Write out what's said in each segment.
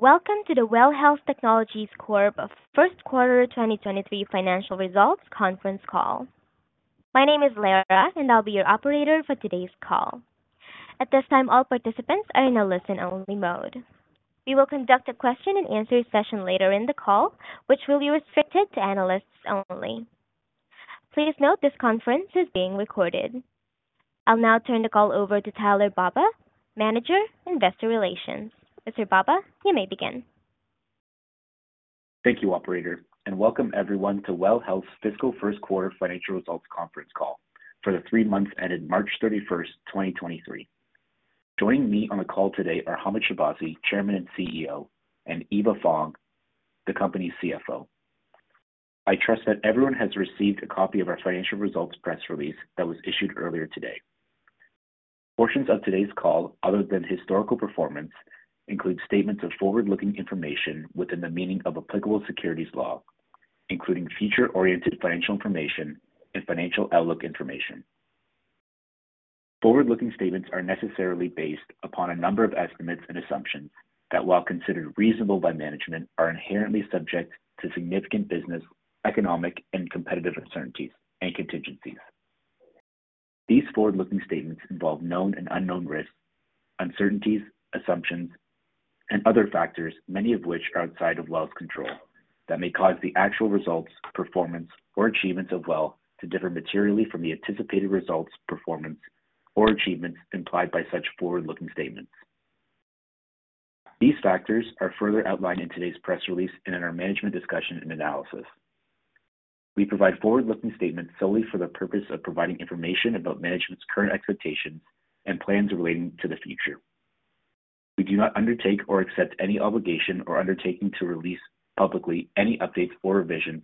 Welcome to the WELL Health Technologies Corp First Quarter 2023 financial results conference call. My name is Laura and I'll be your operator for today's call. At this time, all participants are in a listen-only mode. We will conduct a question-and-answer session later in the call, which will be restricted to analysts only. Please note this conference is being recorded. I'll now turn the call over to Tyler Baba, Manager, Investor Relations. Mr. Baba, you may begin. Thank you, operator, and welcome everyone to WELL Health's Fiscal First Quarter Financial Results Conference Call for the three months ended March 31st, 2023. Joining me on the call today are Hamed Shahbazi, Chairman and CEO, and Eva Fong, the Company's CFO. I trust that everyone has received a copy of our financial results press release that was issued earlier today. Portions of today's call, other than historical performance, include statements of forward-looking information within the meaning of applicable securities law, including future-oriented financial information and financial outlook information. Forward-looking statements are necessarily based upon a number of estimates and assumptions that, while considered reasonable by management, are inherently subject to significant business, economic, and competitive uncertainties and contingencies. These forward-looking statements involve known and unknown risks, uncertainties, assumptions, and other factors, many of which are outside of WELL's control, that may cause the actual results, performance, or achievements of WELL to differ materially from the anticipated results, performance, or achievements implied by such forward-looking statements. These factors are further outlined in today's press release and in our management discussion and analysis. We provide forward-looking statements solely for the purpose of providing information about management's current expectations and plans relating to the future. We do not undertake or accept any obligation or undertaking to release publicly any updates or revisions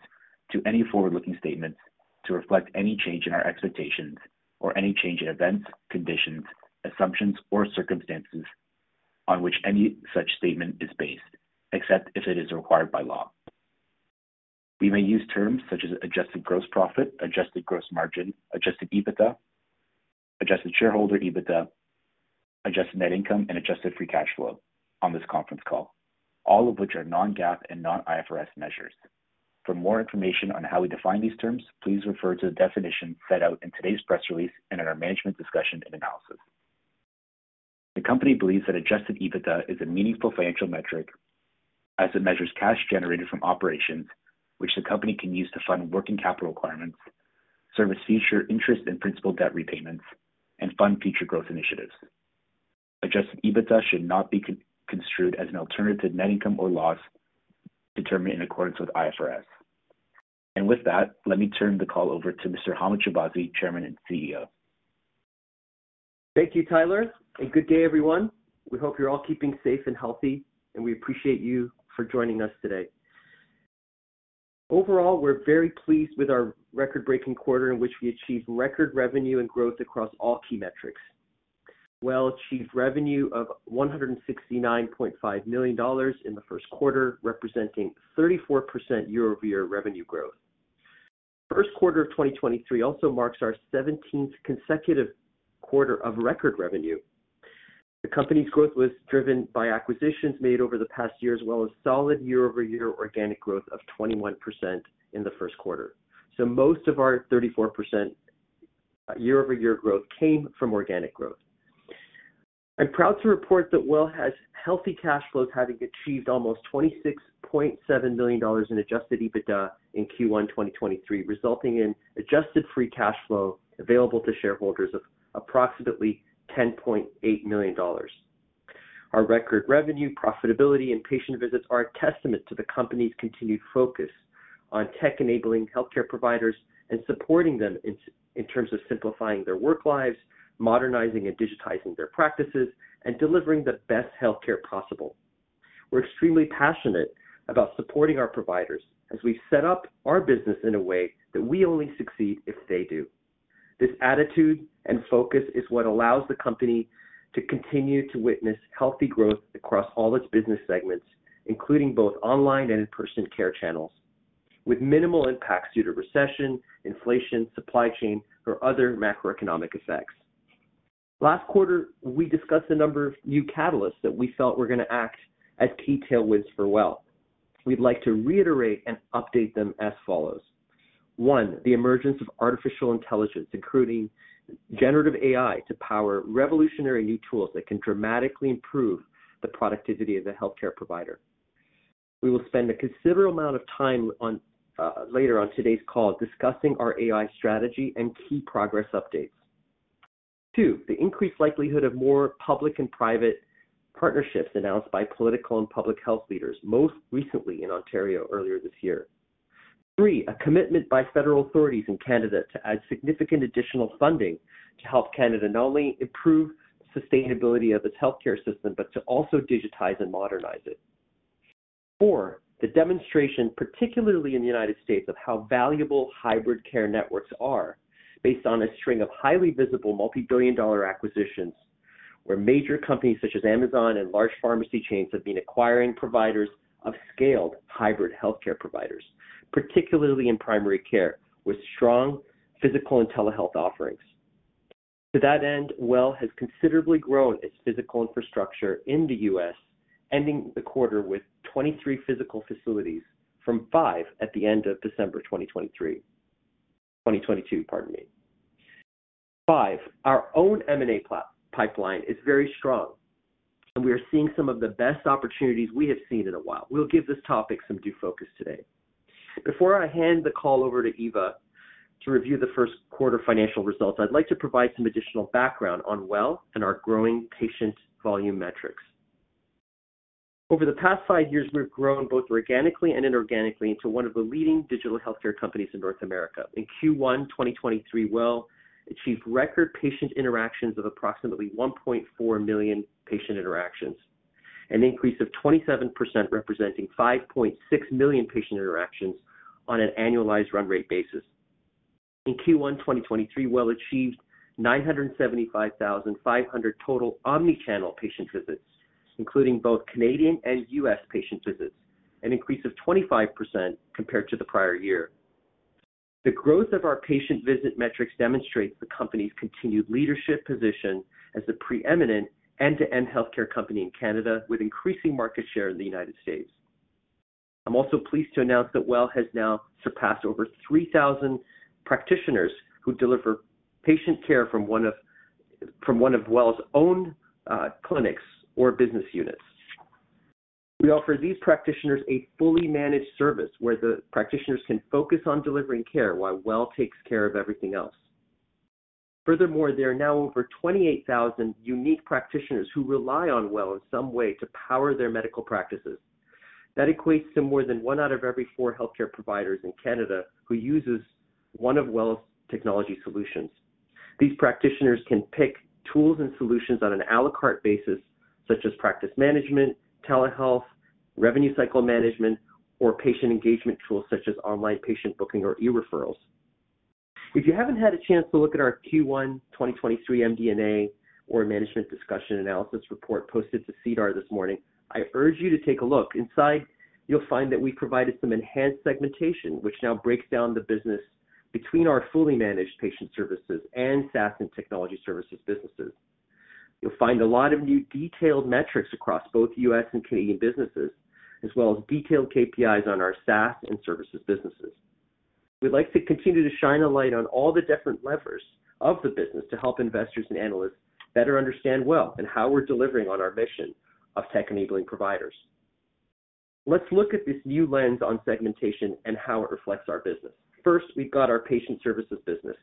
to any forward-looking statements to reflect any change in our expectations or any change in events, conditions, assumptions, or circumstances on which any such statement is based, except if it is required by law. We may use terms such as Adjusted Gross Profit, Adjusted Gross Margin, Adjusted EBITDA, Adjusted Shareholder EBITDA, Adjusted Net Income, and Adjusted Free Cash Flow on this conference call, all of which are non-GAAP and non-IFRS measures. For more information on how we define these terms, please refer to the definition set out in today's press release and in our management discussion and analysis. The company believes that Adjusted EBITDA is a meaningful financial metric as it measures cash generated from operations which the company can use to fund working capital requirements, service future interest and principal debt repayments, and fund future growth initiatives. Adjusted EBITDA should not be construed as an alternative to net income or loss determined in accordance with IFRS. With that, let me turn the call over to Mr. Hamed Shahbazi, Chairman and CEO. Thank you, Tyler, and good day, everyone. We hope you're all keeping safe and healthy, and we appreciate you for joining us today. Overall, we're very pleased with our record-breaking quarter in which we achieved record revenue and growth across all key metrics. WELL achieved revenue of 169.5 million dollars in the first quarter, representing 34% year-over-year revenue growth. First quarter of 2023 also marks our seventeenth consecutive quarter of record revenue. The company's growth was driven by acquisitions made over the past year as well as solid year-over-year organic growth of 21% in the first quarter. Most of our 34% year-over-year growth came from organic growth. I'm proud to report that WELL has healthy cash flows, having achieved almost 26.7 million dollars in Adjusted EBITDA in Q1, 2023, resulting in adjusted free cash flow available to shareholders of approximately 10.8 million dollars. Our record revenue, profitability, and patient visits are a testament to the company's continued focus on tech enabling healthcare providers and supporting them in terms of simplifying their work lives, modernizing and digitizing their practices, and delivering the best healthcare possible. We're extremely passionate about supporting our providers as we've set up our business in a way that we only succeed if they do. This attitude and focus is what allows the company to continue to witness healthy growth across all its business segments, including both online and in-person care channels, with minimal impacts due to recession, inflation, supply chain, or other macroeconomic effects. Last quarter, we discussed a number of new catalysts that we felt were going to act as key tailwinds for WELL. We'd like to reiterate and update them as follows. One, the emergence of artificial intelligence, including generative AI, to power revolutionary new tools that can dramatically improve the productivity of the healthcare provider. We will spend a considerable amount of time on later on today's call discussing our AI strategy and key progress updates. Two, the increased likelihood of more public and private partnerships announced by political and public health leaders, most recently in Ontario earlier this year. Three, a commitment by federal authorities in Canada to add significant additional funding to help Canada not only improve sustainability of its healthcare system, but to also digitize and modernize it. Four, the demonstration, particularly in the U.S., of how valuable hybrid care networks are based on a string of highly visible multi-billion-dollar acquisitions where major companies such as Amazon and large pharmacy chains have been acquiring providers of scaled hybrid healthcare providers, particularly in primary care with strong physical and telehealth offerings. To that end, WELL has considerably grown its physical infrastructure in the U.S., ending the quarter with 23 physical facilities from 5 at the end of December 2023. 2022, pardon me. Five, our own M&A pipeline is very strong, and we are seeing some of the best opportunities we have seen in a while. We'll give this topic some due focus today. Before I hand the call over to Eva to review the first quarter financial results, I'd like to provide some additional background on WELL and our growing patient volume metrics. Over the past five years, we've grown both organically and inorganically into one of the leading digital healthcare companies in North America. In Q1 2023, WELL achieved record patient interactions of approximately 1.4 million patient interactions, an increase of 27% representing 5.6 million patient interactions on an annualized run rate basis. In Q1 2023, WELL achieved 975,500 total omni-channel patient visits, including both Canadian and U.S. patient visits, an increase of 25% compared to the prior year. The growth of our patient visit metrics demonstrates the company's continued leadership position as the preeminent end-to-end healthcare company in Canada with increasing market share in the United States. I'm also pleased to announce that WELL has now surpassed over 3,000 practitioners who deliver patient care from one of WELL's own clinics or business units. We offer these practitioners a fully managed service where the practitioners can focus on delivering care while WELL takes care of everything else. Furthermore, there are now over 28,000 unique practitioners who rely on WELL in some way to power their medical practices. That equates to more than one out of every four healthcare providers in Canada who uses one of WELL's technology solutions. These practitioners can pick tools and solutions on an à la carte basis, such as practice management, telehealth, revenue cycle management, or patient engagement tools such as online patient booking or e-referrals. If you haven't had a chance to look at our Q1 2023 MD&A or Management Discussion Analysis report posted to SEDAR this morning, I urge you to take a look. Inside, you'll find that we provided some enhanced segmentation, which now breaks down the business between our fully managed patient services and SaaS and technology services businesses. You'll find a lot of new detailed metrics across both US and Canadian businesses, as well as detailed KPIs on our SaaS and services businesses. We'd like to continue to shine a light on all the different levers of the business to help investors and analysts better understand WELL and how we're delivering on our mission of tech-enabling providers. Let's look at this new lens on segmentation and how it reflects our business. First, we've got our patient services business.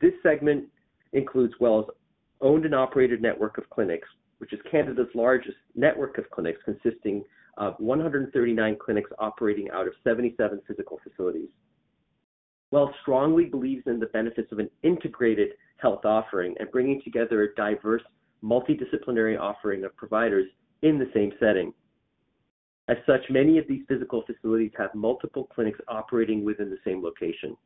This segment includes WELL's owned and operated network of clinics, which is Canada's largest network of clinics consisting of 139 clinics operating out of 77 physical facilities. WELL strongly believes in the benefits of an integrated health offering and bringing together a diverse multidisciplinary offering of providers in the same setting. As such, many of these physical facilities have multiple clinics operating within the same location.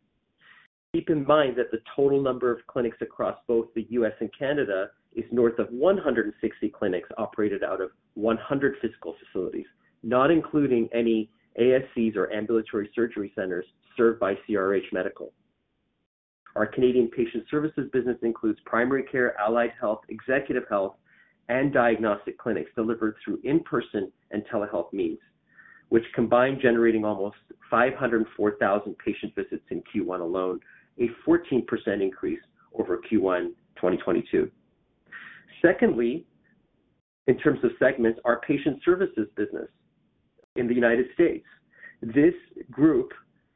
Keep in mind that the total number of clinics across both the U.S. and Canada is north of 160 clinics operated out of 100 physical facilities, not including any ASCs or ambulatory surgery centers served by CRH Medical. Our Canadian patient services business includes primary care, allied health, executive health, and diagnostic clinics delivered through in-person and telehealth means, which combined generating almost 504,000 patient visits in Q1 alone, a 14% increase over Q1 2022. Secondly, in terms of segments, our patient services business in the United States. This group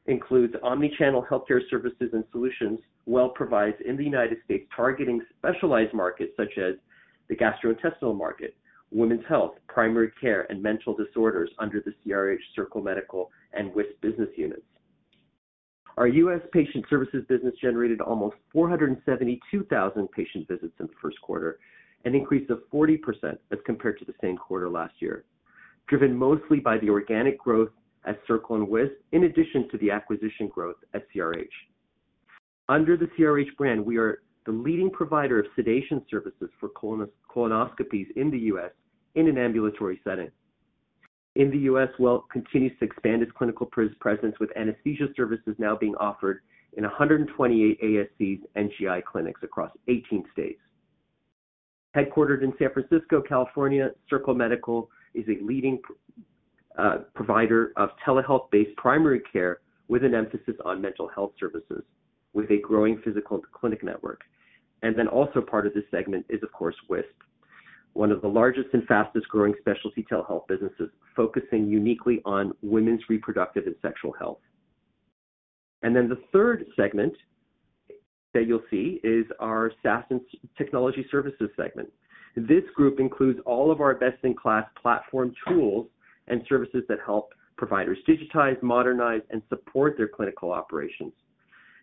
includes omni-channel healthcare services and solutions WELL provides in the U.S. targeting specialized markets such as the gastrointestinal market, women's health, primary care, and mental disorders under the CRH Circle Medical and Wisp business units. Our U.S. patient services business generated almost 472,000 patient visits in the first quarter, an increase of 40% as compared to the same quarter last year, driven mostly by the organic growth at Circle and Wisp, in addition to the acquisition growth at CRH. Under the CRH brand, we are the leading provider of sedation services for colonoscopies in the U.S. in an ambulatory setting. In the U.S., WELL continues to expand its clinical presence, with anesthesia services now being offered in 128 ASCs NGI clinics across 18 states. Headquartered in San Francisco, California, Circle Medical is a leading provider of telehealth-based primary care with an emphasis on mental health services with a growing physical clinic network. Also part of this segment is, of course, Wisp, one of the largest and fastest-growing specialty telehealth businesses focusing uniquely on women's reproductive and sexual health. The third segment that you'll see is our SaaS and technology services segment. This group includes all of our best-in-class platform tools and services that help providers digitize, modernize, and support their clinical operations.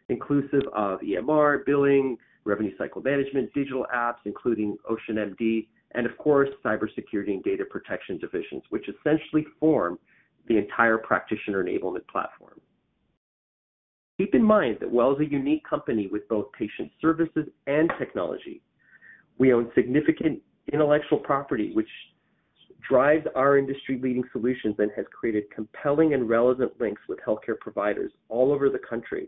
Inclusive of EMR, billing, revenue cycle management, digital apps, including OceanMD, and of course, cybersecurity and data protection divisions, which essentially form the entire practitioner enablement platform. Keep in mind that WELL is a unique company with both patient services and technology. We own significant intellectual property which drives our industry-leading solutions and has created compelling and relevant links with healthcare providers all over the country.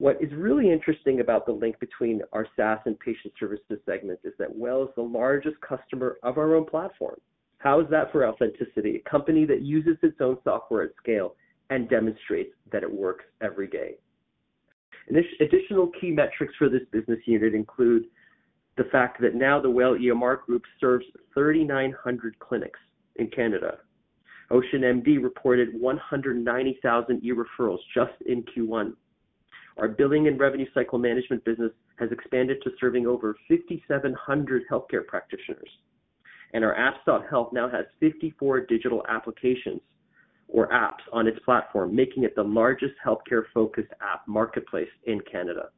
What is really interesting about the link between our SaaS and patient services segments is that WELL is the largest customer of our own platform. How is that for authenticity? A company that uses its own software at scale and demonstrates that it works every day. Additional key metrics for this business unit include the fact that now the WELL EMR Group serves 3,900 clinics in Canada. OceanMD reported 190,000 e-referrals just in Q1. Our billing and revenue cycle management business has expanded to serving over 5,700 healthcare practitioners, and our apps.health now has 54 digital applications or apps on its platform, making it the largest healthcare-focused app marketplace in Canada.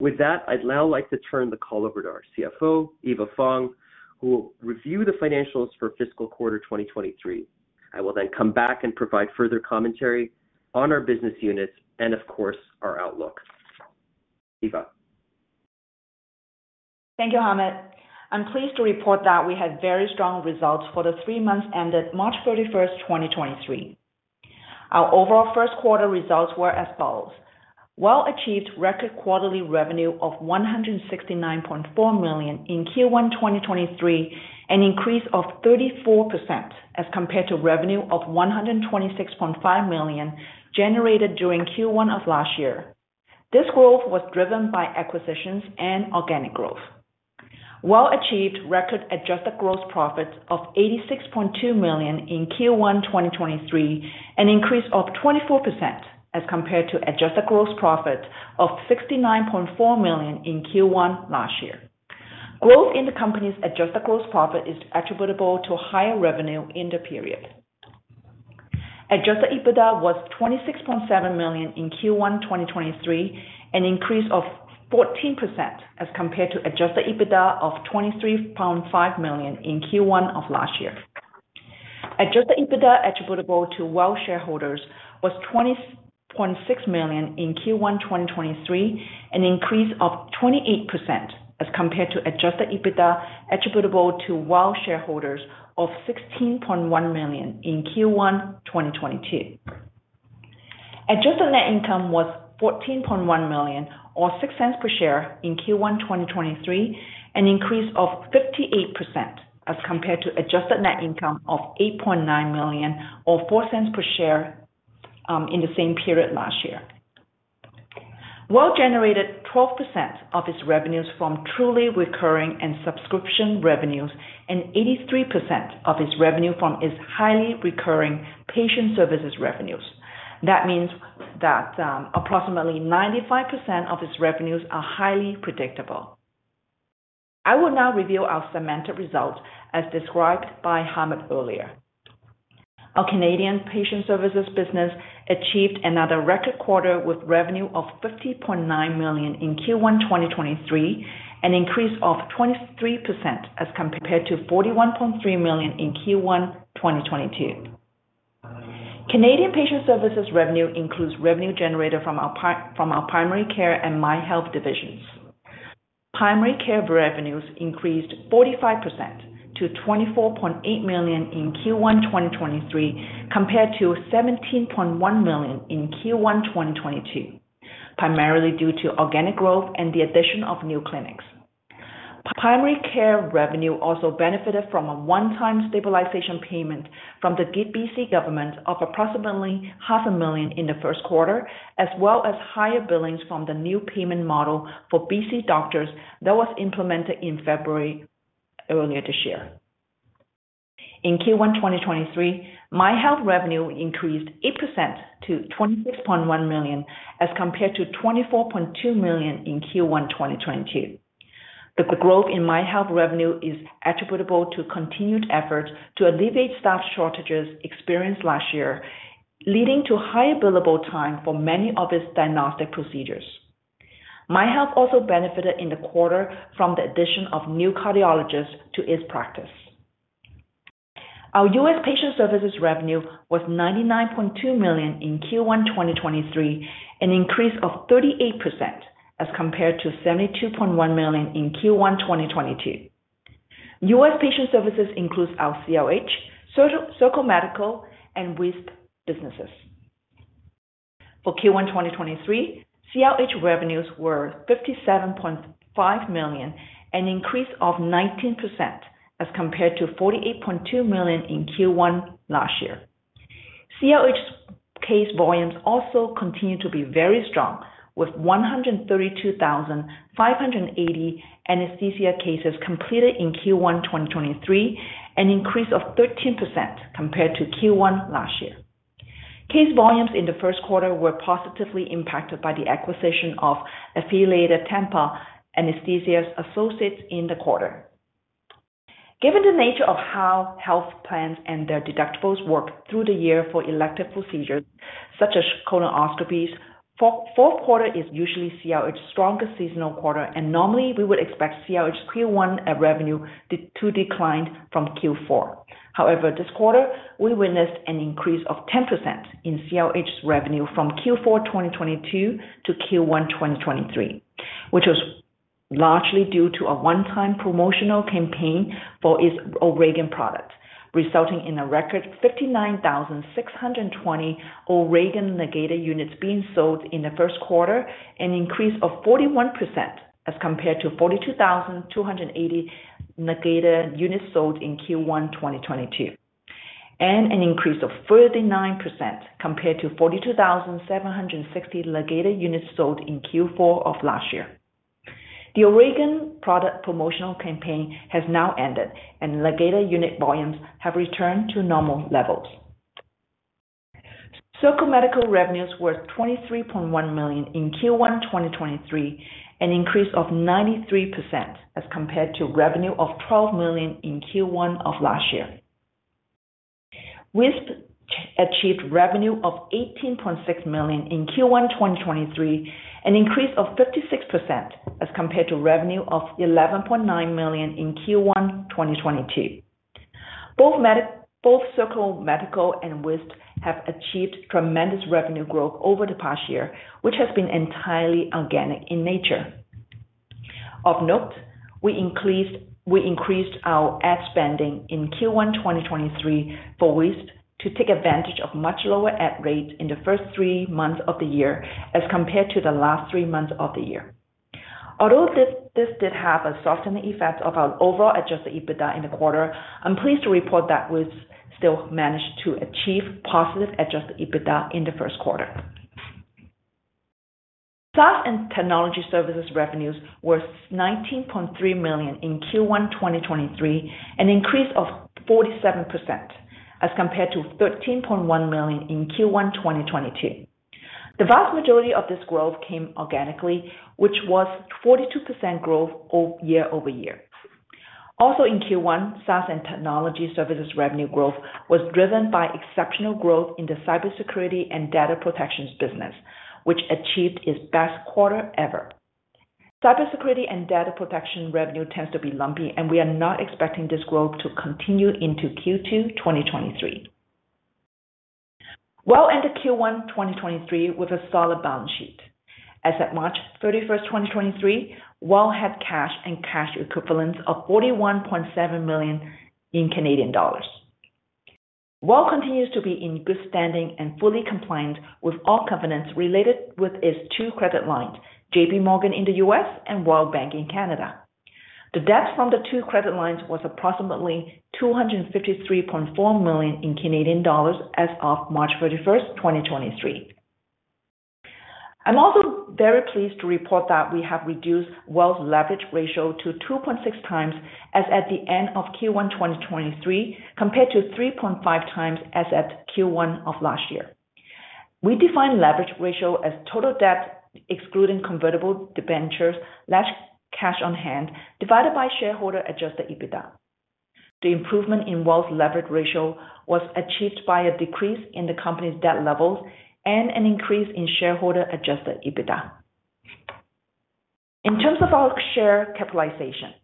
With that, I'd now like to turn the call over to our CFO, Eva Fong, who will review the financials for fiscal quarter 2023. I will then come back and provide further commentary on our business units and of course, our outlook. Eva. Thank you, Hamed. I'm pleased to report that we had very strong results for the three months ended March 31st, 2023. Our overall first quarter results were as follows: WELL achieved record quarterly revenue of 169.4 million in Q1 2023, an increase of 34% as compared to revenue of 126.5 million generated during Q1 of last year. This growth was driven by acquisitions and organic growth. WELL achieved record Adjusted Gross Profit of CAD 86.2 million in Q1 2023, an increase of 24% as compared to Adjusted Gross Profit of 69.4 million in Q1 last year. Growth in the company's Adjusted Gross Profit is attributable to higher revenue in the period. Adjusted EBITDA was 26.7 million in Q1 2023, an increase of 14% as compared to Adjusted EBITDA of 23.5 million in Q1 of last year. Adjusted EBITDA attributable to WELL shareholders was 20.6 million in Q1 2023, an increase of 28% as compared to Adjusted EBITDA attributable to WELL shareholders of 16.1 million in Q1 2022. Adjusted net income was 14.1 million or 0.06 per share in Q1 2023, an increase of 58% as compared to Adjusted net income of 8.9 million or 0.04 per share in the same period last year. WELL generated 12% of its revenues from truly recurring and subscription revenues and 83% of its revenue from its highly recurring patient services revenues. That means that approximately 95% of its revenues are highly predictable. I will now review our segmented results as described by Hamed earlier. Our Canadian Patient Services business achieved another record quarter with revenue of 50.9 million in Q1 2023, an increase of 23% as compared to 41.3 million in Q1 2022. Canadian Patient Services revenue includes revenue generated from our primary care and MyHealth divisions. Primary Care revenues increased 45% to 24.8 million in Q1 2023, compared to 17.1 million in Q1 2022, primarily due to organic growth and the addition of new clinics. Primary care revenue also benefited from a one-time stabilization payment from the BC government of approximately CAD half a million in the first quarter, as well as higher billings from the new payment model for BC Doctors that was implemented in February earlier this year. In Q1, 2023, MyHealth revenue increased 8% to 26.1 million as compared to 24.2 million in Q1, 2022. The growth in MyHealth revenue is attributable to continued efforts to alleviate staff shortages experienced last year, leading to higher billable time for many of its diagnostic procedures. MyHealth also benefited in the quarter from the addition of new cardiologists to its practice. Our US patient services revenue was $99.2 million in Q1, 2023, an increase of 38% as compared to $72.1 million in Q1, 2022. U.S. patient services includes our CRH, Circle Medical, and Wisp businesses. For Q1, 2023, CRH revenues were $57.5 million, an increase of 19% as compared to $48.2 million in Q1 last year. CRH's case volumes also continue to be very strong, with 132,580 anesthesia cases completed in Q1, 2023, an increase of 13% compared to Q1 last year. Case volumes in the first quarter were positively impacted by the acquisition of Affiliated Tampa Anesthesiologists in the quarter. Given the nature of how health plans and their deductibles work through the year for elective procedures such as colonoscopies, fourth quarter is usually CRH's strongest seasonal quarter, and normally we would expect CRH's Q1 revenue to decline from Q4. However, this quarter we witnessed an increase of 10% in CRH's revenue from Q4 2022 to Q1 2023, which was largely due to a one-time promotional campaign for its O'Regan product, resulting in a record 59,620 O'Regan Ligator units being sold in the first quarter, an increase of 41% as compared to 42,280 Ligator units sold in Q1 2022, and an increase of 39% compared to 42,760 Ligator units sold in Q4 of last year. The O'Regan product promotional campaign has now ended and Ligator unit volumes have returned to normal levels. Circle Medical revenues were $23.1 million in Q1 2023, an increase of 93% as compared to revenue of $12 million in Q1 of last year. Wisp achieved revenue of $18.6 million in Q1 2023, an increase of 56% as compared to revenue of $11.9 million in Q1 2022. Both Circle Medical and Wisp have achieved tremendous revenue growth over the past year, which has been entirely organic in nature. We increased our ad spending in Q1 2023 for Wisp to take advantage of much lower ad rates in the first three months of the year as compared to the last three months of the year. Although this did have a softening effect of our overall Adjusted EBITDA in the quarter, I'm pleased to report that Wisp still managed to achieve positive Adjusted EBITDA in the first quarter. SaaS and technology services revenues were 19.3 million in Q1 2023, an increase of 47% as compared to 13.1 million in Q1 2022. The vast majority of this growth came organically, which was 42% growth year-over-year. In Q1, SaaS and technology services revenue growth was driven by exceptional growth in the cybersecurity and data protection business, which achieved its best quarter ever. Cybersecurity and data protection revenue tends to be lumpy, we are not expecting this growth to continue into Q2 2023. WELL ended Q1 2023 with a solid balance sheet. As at March 31, 2023, WELL had cash and cash equivalents of 41.7 million. WELL continues to be in good standing and fully compliant with all covenants related with its two credit lines, JP Morgan in the U.S. and Royal Bank in Canada. The debt from the two credit lines was approximately 253.4 million as of March 31st, 2023. I'm also very pleased to report that we have reduced WELL's leverage ratio to 2.6 times as at the end of Q1 2023, compared to 3.5 times as at Q1 of last year. We define leverage ratio as total debt, excluding convertible debentures, less cash on hand, divided by shareholder-adjusted EBITDA. The improvement in WELL's leverage ratio was achieved by a decrease in the company's debt levels and an increase in shareholder-adjusted EBITDA. In terms of our share capitalization,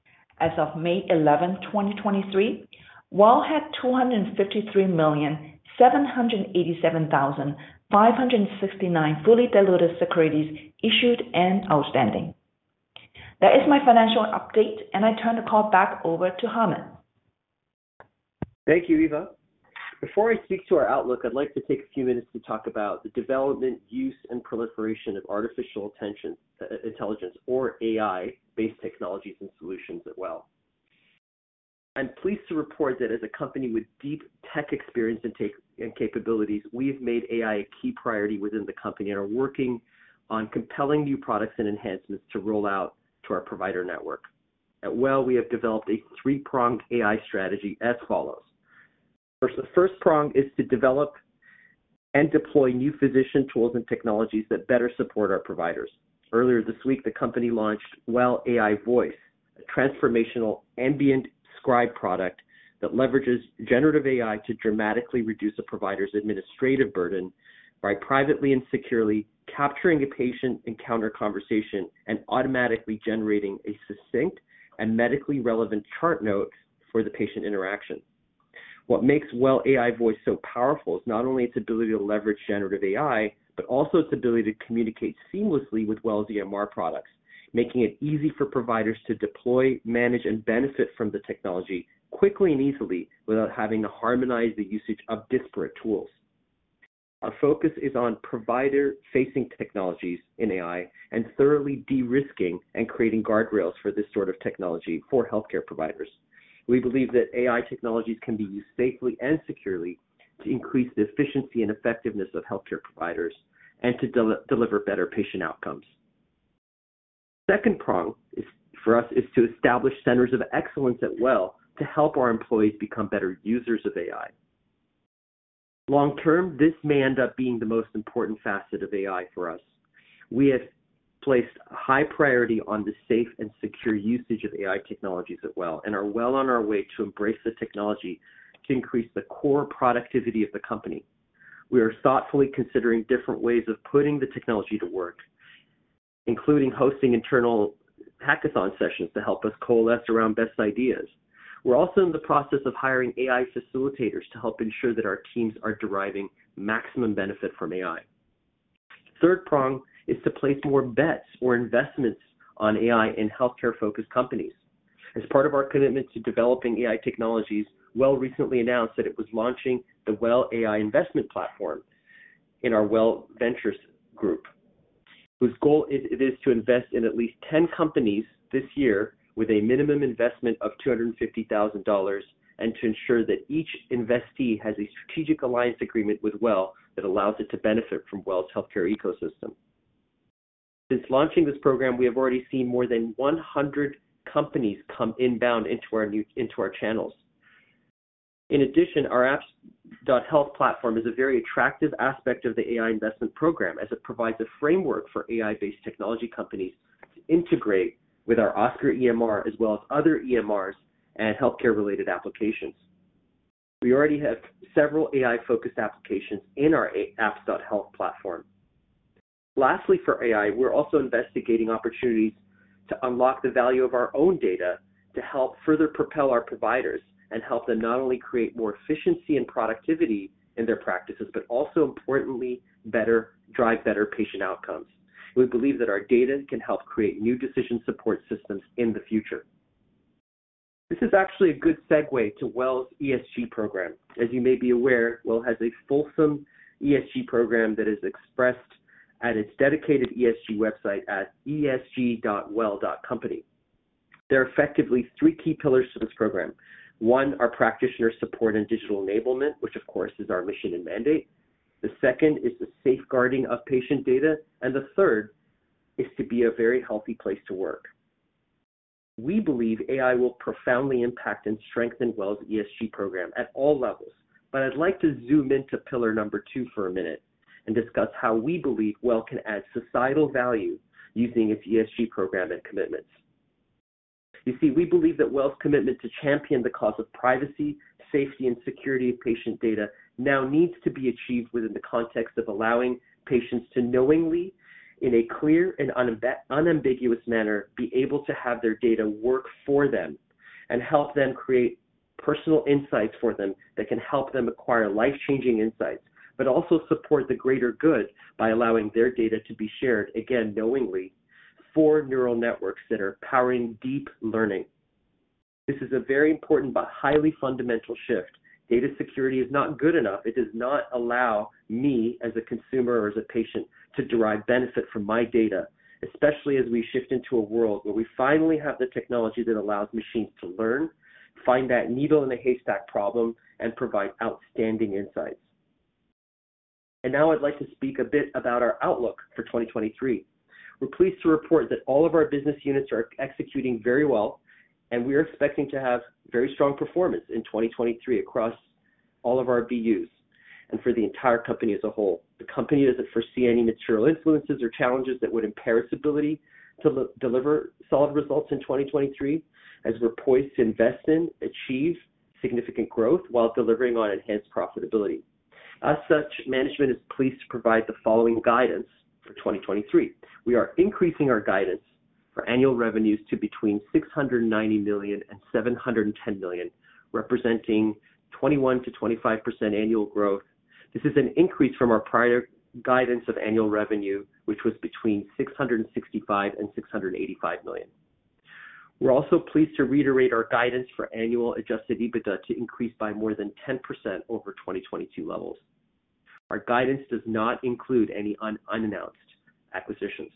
as of May 11, 2023, WELL had 253,787,569 fully diluted securities issued and outstanding. That is my financial update, I turn the call back over to Hamed Shahbazi. Thank you, Eva. Before I speak to our outlook, I'd like to take a few minutes to talk about the development, use, and proliferation of artificial intelligence or AI-based technologies and solutions at WELL. I'm pleased to report that as a company with deep tech experience and capabilities, we've made AI a key priority within the company and are working on compelling new products and enhancements to roll out to our provider network. At WELL, we have developed a three-pronged AI strategy as follows. First, the first prong is to develop and deploy new physician tools and technologies that better support our providers. Earlier this week, the company launched WELL AI Voice, a transformational ambient scribe product that leverages generative AI to dramatically reduce a provider's administrative burden by privately and securely capturing a patient encounter conversation and automatically generating a succinct and medically relevant chart note for the patient interaction. What makes WELL AI Voice so powerful is not only its ability to leverage generative AI, but also its ability to communicate seamlessly with WELL's EMR products, making it easy for providers to deploy, manage, and benefit from the technology quickly and easily without having to harmonize the usage of disparate tools. Our focus is on provider-facing technologies in AI and thoroughly de-risking and creating guardrails for this sort of technology for healthcare providers. We believe that AI technologies can be used safely and securely to increase the efficiency and effectiveness of healthcare providers and to deliver better patient outcomes. Second prong for us is to establish centers of excellence at WELL to help our employees become better users of AI. Long term, this may end up being the most important facet of AI for us. We have placed a high priority on the safe and secure usage of AI technologies at WELL and are well on our way to embrace the technology to increase the core productivity of the company. We are thoughtfully considering different ways of putting the technology to work, including hosting internal hackathon sessions to help us coalesce around best ideas. We're also in the process of hiring AI facilitators to help ensure that our teams are deriving maximum benefit from AI. Third prong is to place more bets or investments on AI in healthcare-focused companies. As part of our commitment to developing AI technologies, WELL recently announced that it was launching the WELL AI Investment Platform in our WELL Ventures group, whose goal is to invest in at least 10 companies this year with a minimum investment of 250,000 dollars and to ensure that each investee has a strategic alliance agreement with WELL that allows it to benefit from WELL's healthcare ecosystem. Since launching this program, we have already seen more than 100 companies come inbound into our channels. In addition, our apps.health platform is a very attractive aspect of the AI investment program as it provides a framework for AI-based technology companies to integrate with our OSCAR EMR as well as other EMRs and healthcare-related applications. We already have several AI-focused applications in our apps.health platform. Lastly, for AI, we're also investigating opportunities to unlock the value of our own data to help further propel our providers and help them not only create more efficiency and productivity in their practices, but also importantly, drive better patient outcomes. We believe that our data can help create new decision support systems in the future. This is actually a good segue to WELL's ESG program. As you may be aware, WELL has a fulsome ESG program that is expressed at its dedicated ESG website at esg.well.company. There are effectively three key pillars to this program. One, our practitioner support and digital enablement, which of course is our mission and mandate. The second is the safeguarding of patient data. The third is to be a very healthy place to work. We believe AI will profoundly impact and strengthen WELL's ESG program at all levels. I'd like to zoom into pillar two for a minute and discuss how we believe WELL can add societal value using its ESG program and commitments. You see, we believe that WELL's commitment to champion the cause of privacy, safety, and security of patient data now needs to be achieved within the context of allowing patients to knowingly, in a clear and unambiguous manner, be able to have their data work for them and help them create personal insights for them that can help them acquire life-changing insights, but also support the greater good by allowing their data to be shared, again, knowingly, for neural networks that are powering deep learning. This is a very important but highly fundamental shift. Data security is not good enough. It does not allow me as a consumer or as a patient to derive benefit from my data, especially as we shift into a world where we finally have the technology that allows machines to learn, find that needle in the haystack problem, and provide outstanding insights. Now I'd like to speak a bit about our outlook for 2023. We're pleased to report that all of our business units are executing very well, and we are expecting to have very strong performance in 2023 across all of our BUs and for the entire company as a whole. The company doesn't foresee any material influences or challenges that would impair its ability to deliver solid results in 2023, as we're poised to invest in, achieve significant growth while delivering on enhanced profitability. As such, management is pleased to provide the following guidance for 2023. We are increasing our guidance for annual revenues to between 690 million and 710 million, representing 21%-25% annual growth. This is an increase from our prior guidance of annual revenue, which was between 665 million and 685 million. We're also pleased to reiterate our guidance for annual Adjusted EBITDA to increase by more than 10% over 2022 levels. Our guidance does not include any unannounced acquisitions.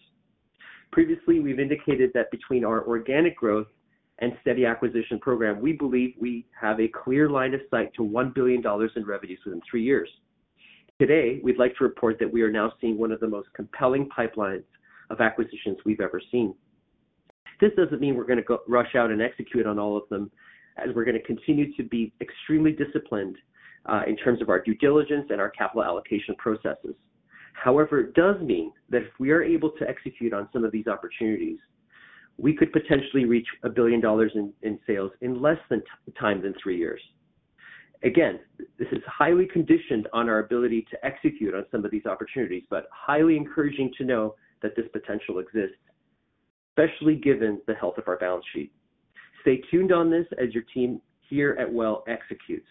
Previously, we've indicated that between our organic growth and steady acquisition program, we believe we have a clear line of sight to 1 billion dollars in revenues within three years. Today, we'd like to report that we are now seeing one of the most compelling pipelines of acquisitions we've ever seen. This doesn't mean we're going to go rush out and execute on all of them as we're going to continue to be extremely disciplined in terms of our due diligence and our capital allocation processes. However, it does mean that if we are able to execute on some of these opportunities, we could potentially reach $1 billion in sales in less than time than three years. Again, this is highly conditioned on our ability to execute on some of these opportunities, but highly encouraging to know that this potential exists, especially given the health of our balance sheet. Stay tuned on this as your team here at WELL executes.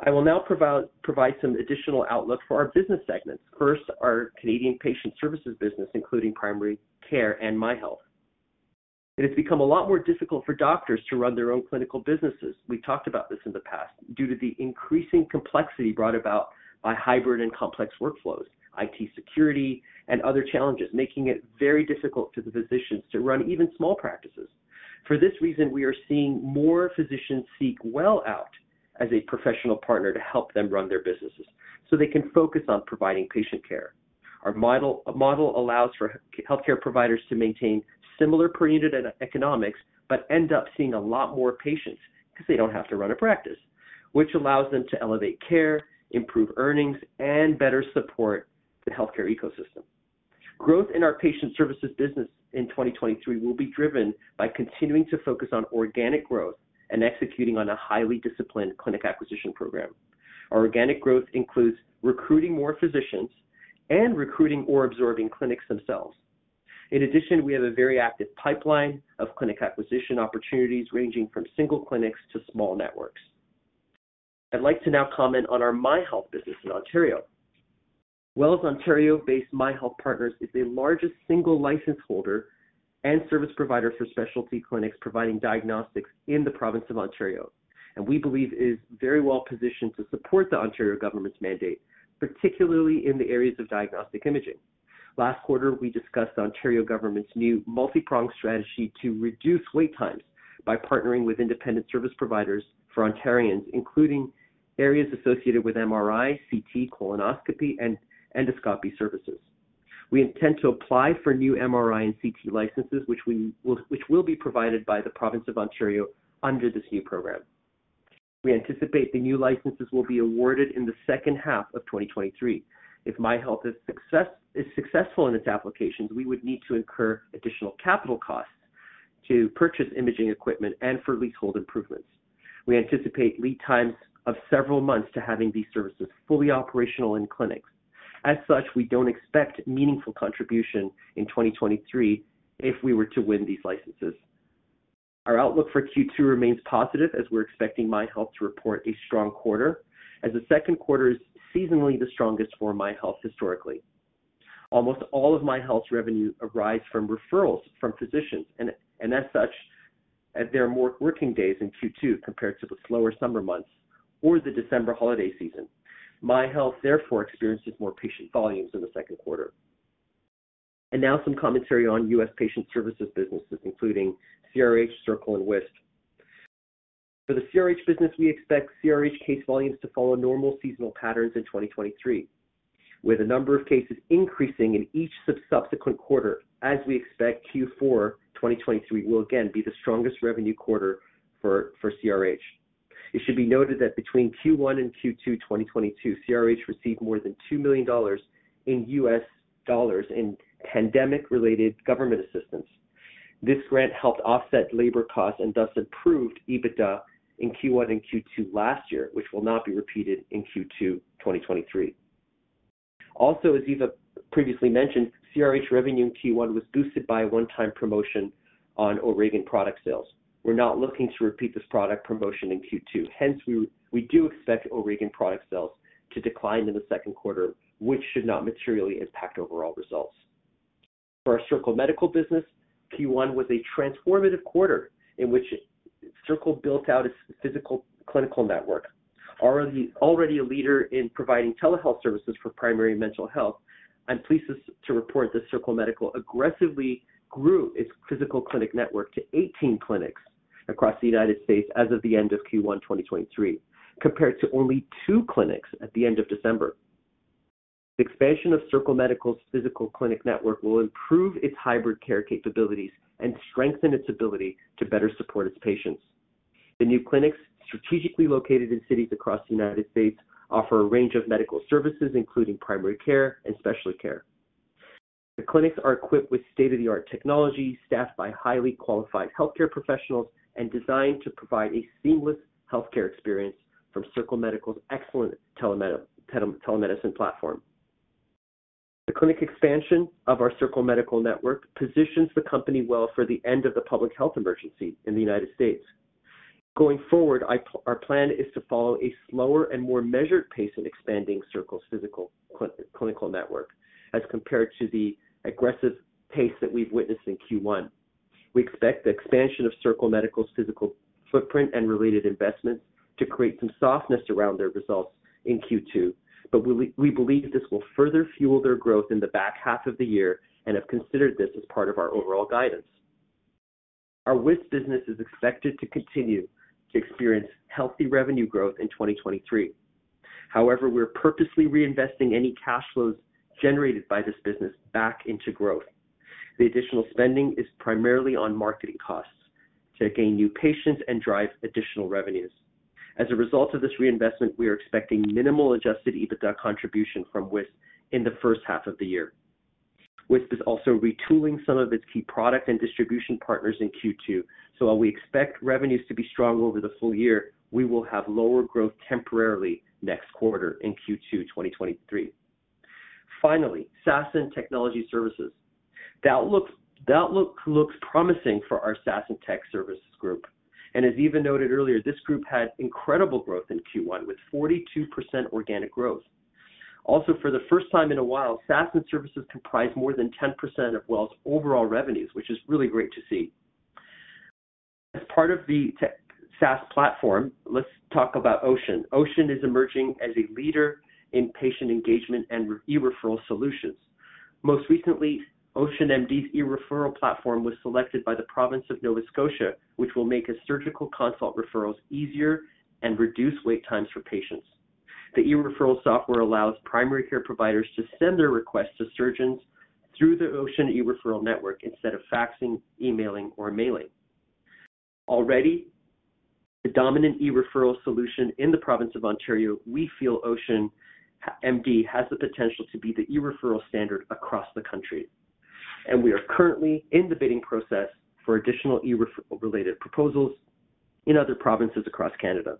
I will now provide some additional outlook for our business segments. First, our Canadian patient services business, including primary care and MyHealth. It has become a lot more difficult for doctors to run their own clinical businesses, we've talked about this in the past, due to the increasing complexity brought about by hybrid and complex workflows, IT security, and other challenges, making it very difficult to the physicians to run even small practices. For this reason, we are seeing more physicians seek WELL out as a professional partner to help them run their businesses so they can focus on providing patient care. Our model allows for healthcare providers to maintain similar per unit economics, but end up seeing a lot more patients because they don't have to run a practice, which allows them to elevate care, improve earnings, and better support the healthcare ecosystem. Growth in our patient services business in 2023 will be driven by continuing to focus on organic growth and executing on a highly disciplined clinic acquisition program. Our organic growth includes recruiting more physicians and recruiting or absorbing clinics themselves. In addition, we have a very active pipeline of clinic acquisition opportunities ranging from single clinics to small networks. I'd like to now comment on our MyHealth business in Ontario. WELL's Ontario-based MyHealth Partners is the largest single license holder and service provider for specialty clinics providing diagnostics in the province of Ontario, and we believe is very well positioned to support the Ontario government's mandate, particularly in the areas of diagnostic imaging. Last quarter, we discussed the Ontario government's new multi-pronged strategy to reduce wait times by partnering with independent service providers for Ontarians, including areas associated with MRI, CT, colonoscopy, and endoscopy services. We intend to apply for new MRI and CT licenses, which will be provided by the province of Ontario under this new program. We anticipate the new licenses will be awarded in the second half of 2023. If MyHealth is successful in its applications, we would need to incur additional capital costs to purchase imaging equipment and for leasehold improvements. We anticipate lead times of several months to having these services fully operational in clinics. As such, we don't expect meaningful contribution in 2023 if we were to win these licenses. Our outlook for Q2 remains positive as we're expecting MyHealth to report a strong quarter, as the second quarter is seasonally the strongest for MyHealth historically. Almost all of MyHealth's revenue arise from referrals from physicians, and as such, as there are more working days in Q2 compared to the slower summer months or the December holiday season. MyHealth therefore experiences more patient volumes in the second quarter. Now some commentary on U.S. patient services businesses, including CRH, Circle, and Wisp. For the CRH business, we expect CRH case volumes to follow normal seasonal patterns in 2023, with the number of cases increasing in each subsequent quarter, as we expect Q4 2023 will again be the strongest revenue quarter for CRH. It should be noted that between Q1 and Q2 2022, CRH received more than $2 million in US dollars in pandemic-related government assistance. This grant helped offset labor costs and thus improved EBITDA in Q1 and Q2 last year, which will not be repeated in Q2 2023. Also, as Eva previously mentioned, CRH revenue in Q1 was boosted by a 1-time promotion on O'Regan product sales. We're not looking to repeat this product promotion in Q2. Hence, we do expect O'Regan product sales to decline in the second quarter, which should not materially impact overall results. For our Circle Medical business, Q1 was a transformative quarter in which Circle built out its physical clinical network. Already a leader in providing telehealth services for primary mental health, I'm pleased to report that Circle Medical aggressively grew its physical clinic network to 18 clinics across the United States as of the end of Q1 2023, compared to only 2 clinics at the end of December. The expansion of Circle Medical's physical clinic network will improve its hybrid care capabilities and strengthen its ability to better support its patients. The new clinics, strategically located in cities across the United States, offer a range of medical services, including primary care and specialty care. The clinics are equipped with state-of-the-art technology, staffed by highly qualified healthcare professionals, and designed to provide a seamless healthcare experience from Circle Medical's excellent telemedicine platform. The clinic expansion of our Circle Medical network positions the company well for the end of the public health emergency in the United States. Going forward, our plan is to follow a slower and more measured pace in expanding Circle's physical clinical network as compared to the aggressive pace that we've witnessed in Q1. We expect the expansion of Circle Medical's physical footprint and related investments to create some softness around their results in Q2. We believe this will further fuel their growth in the back half of the year and have considered this as part of our overall guidance. Our Wisp business is expected to continue to experience healthy revenue growth in 2023. We're purposely reinvesting any cash flows generated by this business back into growth. The additional spending is primarily on marketing costs to gain new patients and drive additional revenues. As a result of this reinvestment, we are expecting minimal Adjusted EBITDA contribution from Wisp in the first half of the year. Wisp is also retooling some of its key product and distribution partners in Q2. While we expect revenues to be strong over the full year, we will have lower growth temporarily next quarter in Q2 2023. Finally, SaaS and technology services. The outlook looks promising for our SaaS and tech services group. As Eva noted earlier, this group had incredible growth in Q1 with 42% organic growth. Also, for the first time in a while, SaaS and services comprise more than 10% of WELL's overall revenues, which is really great to see. As part of the SaaS platform, let's talk about Ocean. Ocean is emerging as a leader in patient engagement and e-referral solutions. Most recently, OceanMD's e-referral platform was selected by the province of Nova Scotia, which will make a surgical consult referrals easier and reduce wait times for patients. The e-referral software allows primary care providers to send their requests to surgeons through the Ocean e-referral network instead of faxing, emailing, or mailing. Already the dominant e-referral solution in the province of Ontario, we feel OceanMD has the potential to be the e-referral standard across the country, and we are currently in the bidding process for additional e-referral related proposals in other provinces across Canada.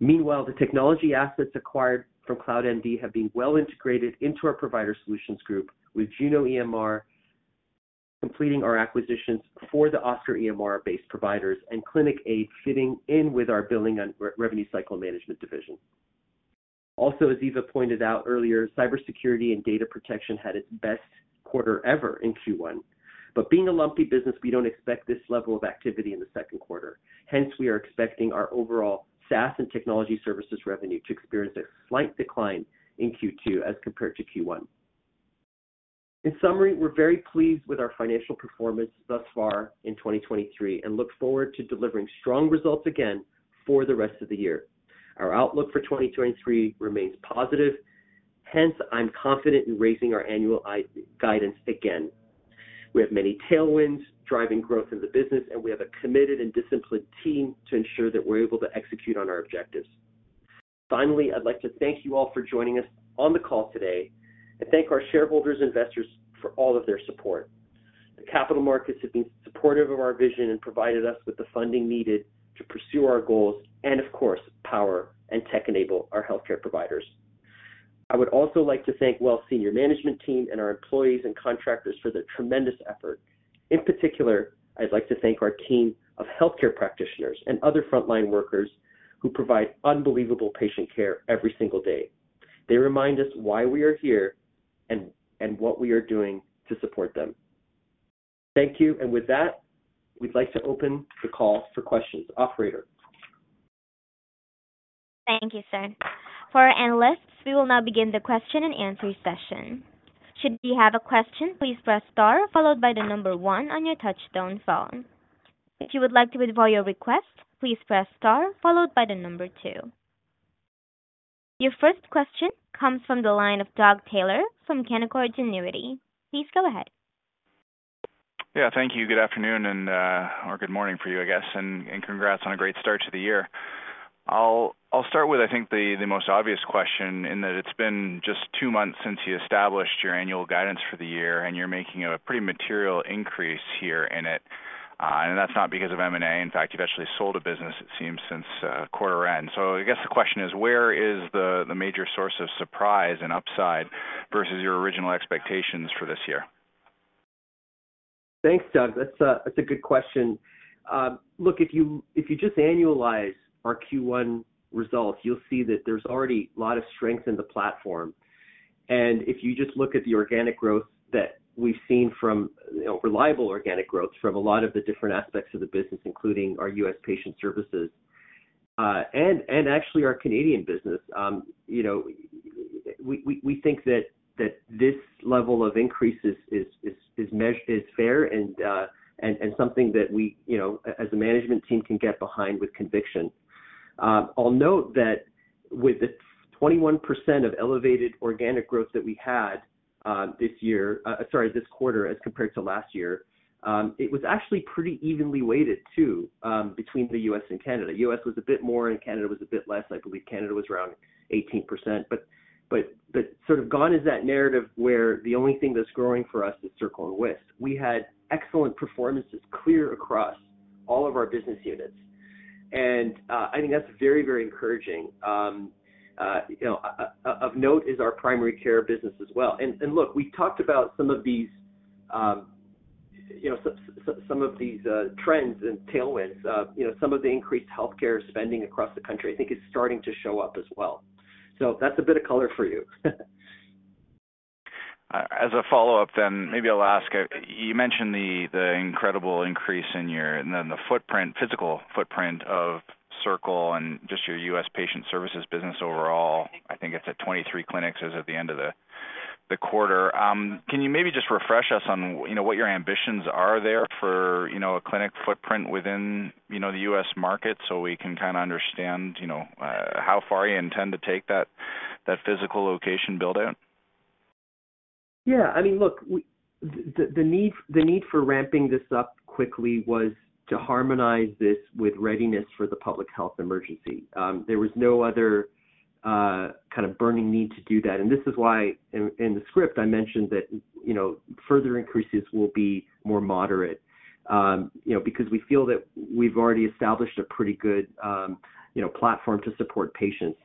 Meanwhile, the technology assets acquired from CloudMD have been well integrated into our Provider Solutions group, with Juno EMR completing our acquisitions for the OSCAR EMR-based providers and ClinicAid fitting in with our billing and re-revenue cycle management division. As Eva pointed out earlier, cybersecurity and data protection had its best quarter ever in Q1. Being a lumpy business, we don't expect this level of activity in the second quarter. We are expecting our overall SaaS and technology services revenue to experience a slight decline in Q2 as compared to Q1. In summary, we're very pleased with our financial performance thus far in 2023 and look forward to delivering strong results again for the rest of the year. Our outlook for 2023 remains positive. I'm confident in raising our annual guidance again. We have many tailwinds driving growth in the business, and we have a committed and disciplined team to ensure that we're able to execute on our objectives. Finally, I'd like to thank you all for joining us on the call today and thank our shareholders and investors for all of their support. The capital markets have been supportive of our vision and provided us with the funding needed to pursue our goals and of course, power and tech enable our healthcare providers. I would also like to thank WELL's senior management team and our employees and contractors for their tremendous effort. In particular, I'd like to thank our team of healthcare practitioners and other frontline workers who provide unbelievable patient care every single day. They remind us why we are here and what we are doing to support them. Thank you. With that, we'd like to open the call for questions. Operator? Thank you, sir. For our analysts, we will now begin the question and answer session. Should you have a question, please press star followed by the number one on your touch-tone phone. If you would like to withdraw your request, please press star followed by the number two. Your first question comes from the line of Doug Taylor from Canaccord Genuity. Please go ahead. Yeah, thank you. Good afternoon and or good morning for you, I guess. Congrats on a great start to the year. I'll start with, I think the most obvious question in that it's been just two months since you established your annual guidance for the year, and you're making a pretty material increase here in it. And that's not because of M&A. In fact, you've actually sold a business, it seems, since quarter end. I guess the question is: where is the major source of surprise and upside versus your original expectations for this year? Thanks, Doug. That's a good question. Look, if you just annualize our Q1 results, you'll see that there's already a lot of strength in the platform. If you just look at the organic growth that we've seen from, you know, reliable organic growth from a lot of the different aspects of the business, including our U.S. patient services, and actually our Canadian business, you know, we think that this level of increase is fair and something that we, you know, as a management team can get behind with conviction. I'll note that with the 21% of elevated organic growth that we had this year, sorry, this quarter as compared to last year, it was actually pretty evenly weighted too, between the U.S. and Canada. U.S. was a bit more and Canada was a bit less. I believe Canada was around 18%. Sort of gone is that narrative where the only thing that's growing for us is Circle and Wisp. We had excellent performances clear across all of our business units. I think that's very, very encouraging. You know, of note is our primary care business as well. Look, we talked about some of these, you know, some of these trends and tailwinds, you know, some of the increased healthcare spending across the country I think is starting to show up as well. That's a bit of color for you. As a follow-up, maybe I'll ask, you mentioned the incredible increase and then the footprint, physical footprint of Circle and just your U.S. patient services business overall. I think it's at 23 clinics as at the end of the quarter. Can you maybe just refresh us on, you know, what your ambitions are there for, you know, a clinic footprint within, you know, the U.S. market so we can kinda understand, you know, how far you intend to take that physical location build-out? Yeah. I mean, look, the need for ramping this up quickly was to harmonize this with readiness for the public health emergency. There was no other kind of burning need to do that. This is why in the script, I mentioned that, you know, further increases will be more moderate, you know, because we feel that we've already established a pretty good, you know, platform to support patients.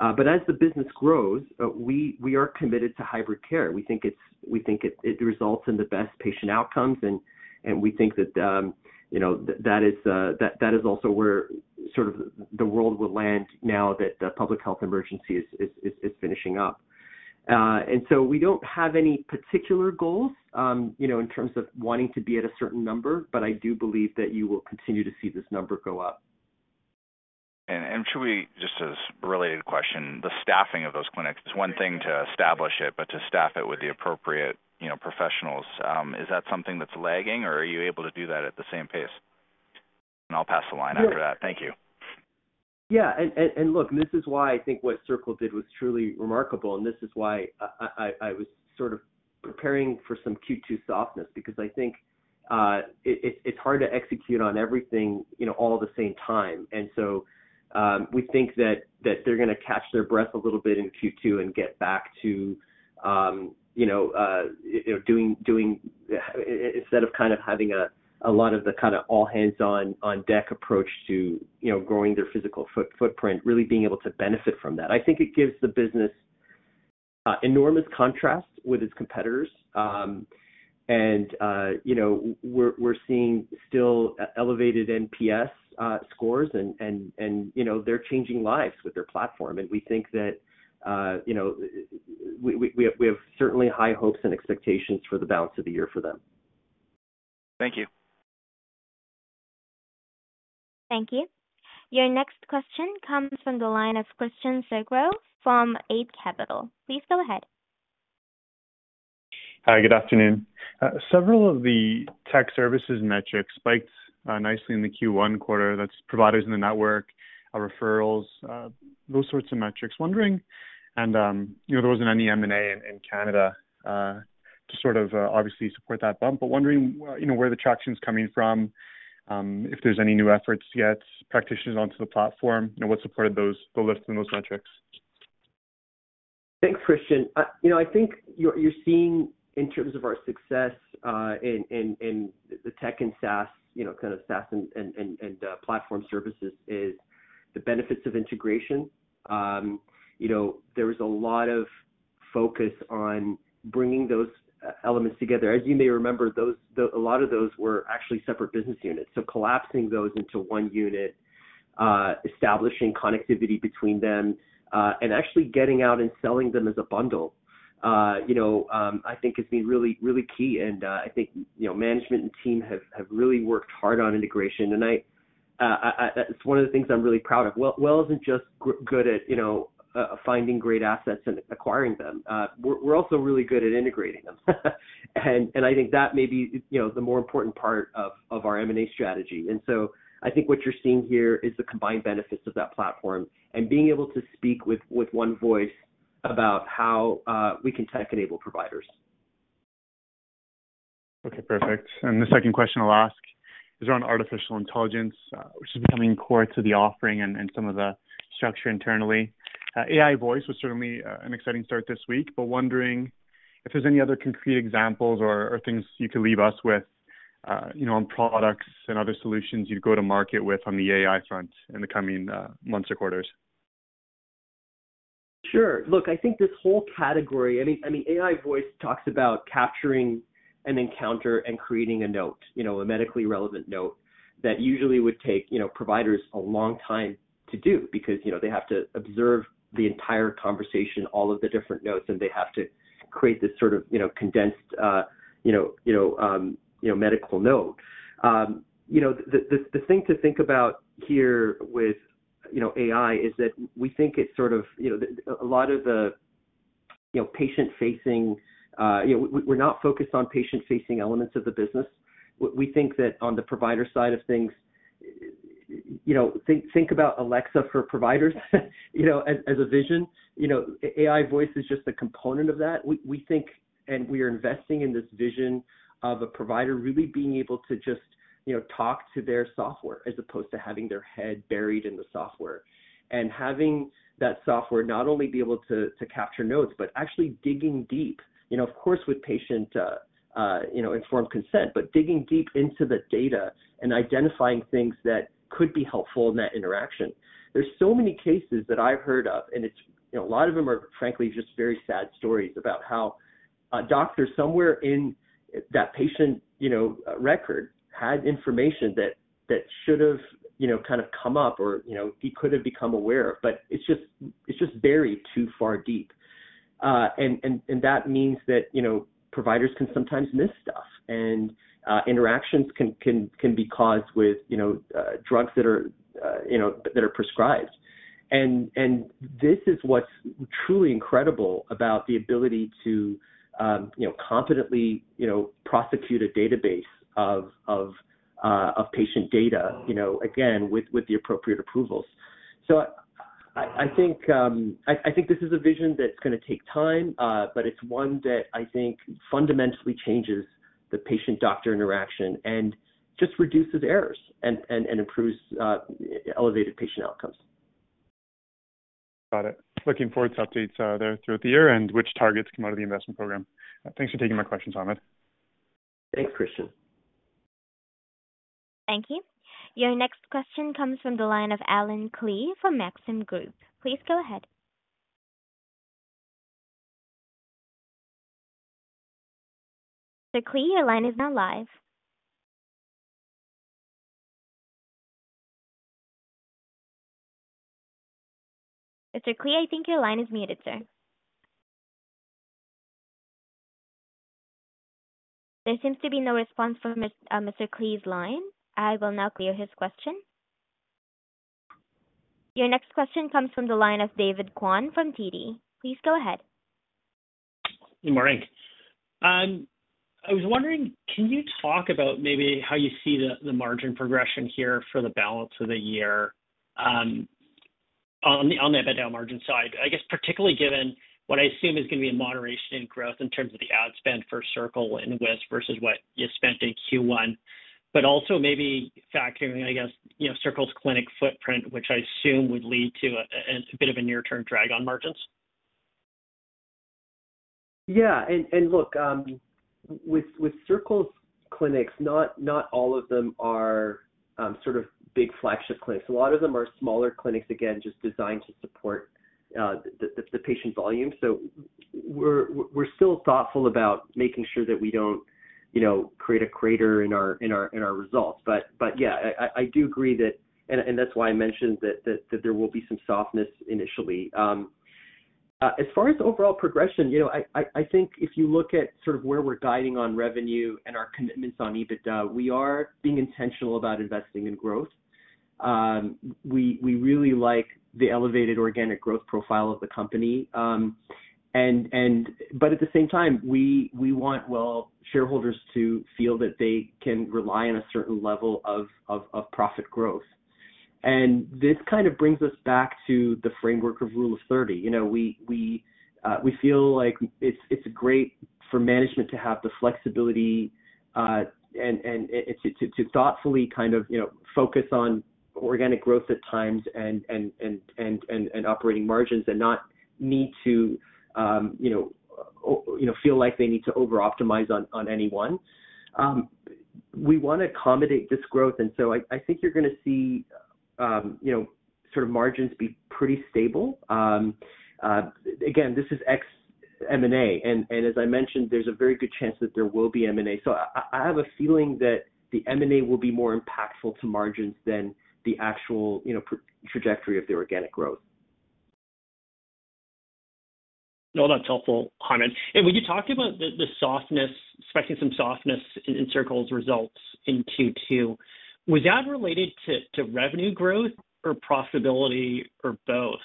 As the business grows, we are committed to hybrid care. We think it results in the best patient outcomes, and we think that, you know, that is also where sort of the world will land now that the public health emergency is finishing up. We don't have any particular goals, you know, in terms of wanting to be at a certain number, but I do believe that you will continue to see this number go up. Just as a related question, the staffing of those clinics, it's one thing to establish it, but to staff it with the appropriate, you know, professionals, is that something that's lagging, or are you able to do that at the same pace? I'll pass the line after that. Thank you. Yeah. Look, this is why I think what Circle did was truly remarkable. This is why I, I was sort of preparing for some Q2 softness because I think it's hard to execute on everything, you know, all at the same time. We think that they're going to catch their breath a little bit in Q2 and get back to, you know, doing instead of kind of having a lot of the kind of all hands on deck approach to, you know, growing their physical footprint, really being able to benefit from that. I think it gives the business a enormous contrast with its competitors. You know, we're seeing still elevated NPS scores, and, you know, they're changing lives with their platform. We think that, you know, we have certainly high hopes and expectations for the balance of the year for them. Thank you. Thank you. Your next question comes from the line of Christian Sgro from Eight Capital. Please go ahead. Hi, good afternoon. Several of the tech services metrics spiked nicely in the Q1 quarter. That's providers in the network, referrals, those sorts of metrics. Wondering, you know, there wasn't any M&A in Canada to sort of obviously support that bump, but wondering, you know, where the traction's coming from, if there's any new efforts to get practitioners onto the platform and what supported those, the lift in those metrics? Thanks, Christian. You know, I think you're seeing in terms of our success, in, in the tech and SaaS, you know, kind of SaaS and platform services is the benefits of integration. You know, there was a lot of focus on bringing those e-elements together. As you may remember, a lot of those were actually separate business units. Collapsing those into one unit, establishing connectivity between them, and actually getting out and selling them as a bundle, you know, I think has been really, really key. I think, you know, management and team have really worked hard on integration. I, it's one of the things I'm really proud of. WELL isn't just good at, you know, finding great assets and acquiring them. We're also really good at integrating them. I think that may be, you know, the more important part of our M&A strategy. I think what you're seeing here is the combined benefits of that platform and being able to speak with one voice about how we can tech enable providers. Okay, perfect. The second question I'll ask is around artificial intelligence, which is becoming core to the offering and some of the structure internally. AI Voice was certainly an exciting start this week, but wondering if there's any other concrete examples or things you could leave us with, you know, on products and other solutions you'd go to market with on the AI front in the coming months or quarters. Sure. Look, I think this whole category, I mean, AI Voice talks about capturing an encounter and creating a note, you know, a medically relevant note that usually would take, you know, providers a long time to do because, you know, they have to observe the entire conversation, all of the different notes, and they have to create this sort of, you know, condensed medical note. You know, the thing to think about here with, you know, AI is that we think it's sort of, you know, a lot of the patient-facing. We're not focused on patient-facing elements of the business. We think that on the provider side of things, you know, think about Alexa for providers, you know, as a vision. You know, AI Voice is just a component of that. We think, we are investing in this vision of a provider really being able to just, you know, talk to their software as opposed to having their head buried in the software. Having that software not only be able to capture notes, but actually digging deep, you know, of course, with patient, informed consent, but digging deep into the data and identifying things that could be helpful in that interaction. There's so many cases that I've heard of, and it's, you know, a lot of them are frankly just very sad stories about how a doctor somewhere in that patient, you know, record had information that should have, you know, kind of come up or, you know, he could have become aware of, but it's just, it's just buried too far deep. That means that, you know, providers can sometimes miss stuff and interactions can be caused with, you know, drugs that are, you know, that are prescribed. This is what's truly incredible about the ability to, you know, confidently, you know, prosecute a database of patient data, you know, again, with the appropriate approvals. I think this is a vision that's gonna take time, but it's one that I think fundamentally changes the patient-doctor interaction and just reduces errors and improves elevated patient outcomes. Got it. Looking forward to updates there throughout the year and which targets come out of the investment program. Thanks for taking my questions, Ahmad. Thanks, Christian. Thank you. Your next question comes from the line of Allen Klee from Maxim Group. Please go ahead. Mr. Klee, your line is now live. Mr. Klee, I think your line is muted, sir. There seems to be no response from Mr. Klee's line. I will now clear his question. Your next question comes from the line of David Kwon from TD. Please go ahead. Good morning. I was wondering, can you talk about maybe how you see the margin progression here for the balance of the year on the EBITDA margin side? I guess particularly given what I assume is gonna be a moderation in growth in terms of the ad spend for Circle and Wisp versus what you spent in Q1, but also maybe factoring, I guess, you know, Circle's clinic footprint, which I assume would lead to a bit of a near-term drag on margins? Yeah. Look, with Circle Medical's clinics, not all of them are sort of big flagship clinics. A lot of them are smaller clinics, again, just designed to support the patient volume. We're still thoughtful about making sure that we don't, you know, create a crater in our results. Yeah, I do agree that... That's why I mentioned that there will be some softness initially. As far as overall progression, you know, I think if you look at sort of where we're guiding on revenue and our commitments on EBITDA, we are being intentional about investing in growth. We really like the elevated organic growth profile of the company. At the same time, we want WELL shareholders to feel that they can rely on a certain level of profit growth. This kind of brings us back to the framework of Rule of 30. You know, we feel like it's great for management to have the flexibility and to thoughtfully kind of, you know, focus on organic growth at times and operating margins and not need to, you know, feel like they need to over-optimize on any one. We wanna accommodate this growth, I think you're gonna see, you know, sort of margins be pretty stable. Again, this is ex M&A. As I mentioned, there's a very good chance that there will be M&A. I have a feeling that the M&A will be more impactful to margins than the actual, you know, trajectory of the organic growth. No, that's helpful, Hamed. When you talked about the softness, expecting some softness in Circle's results in Q2, was that related to revenue growth or profitability or both?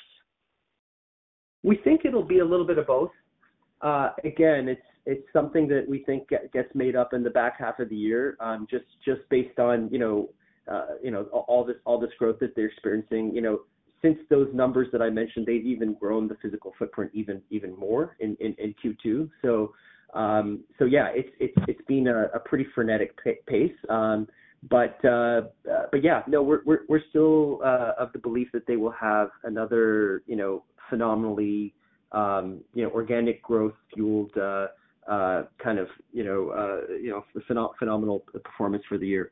We think it'll be a little bit of both. It's something that we think gets made up in the back half of the year, just based on, you know, all this, all this growth that they're experiencing. You know, since those numbers that I mentioned, they've even grown the physical footprint even more in Q2. Yeah, it's been a pretty frenetic pace. Yeah. No, we're still of the belief that they will have another, you know, phenomenally, you know, organic growth fueled, kind of, you know, phenomenal performance for the year.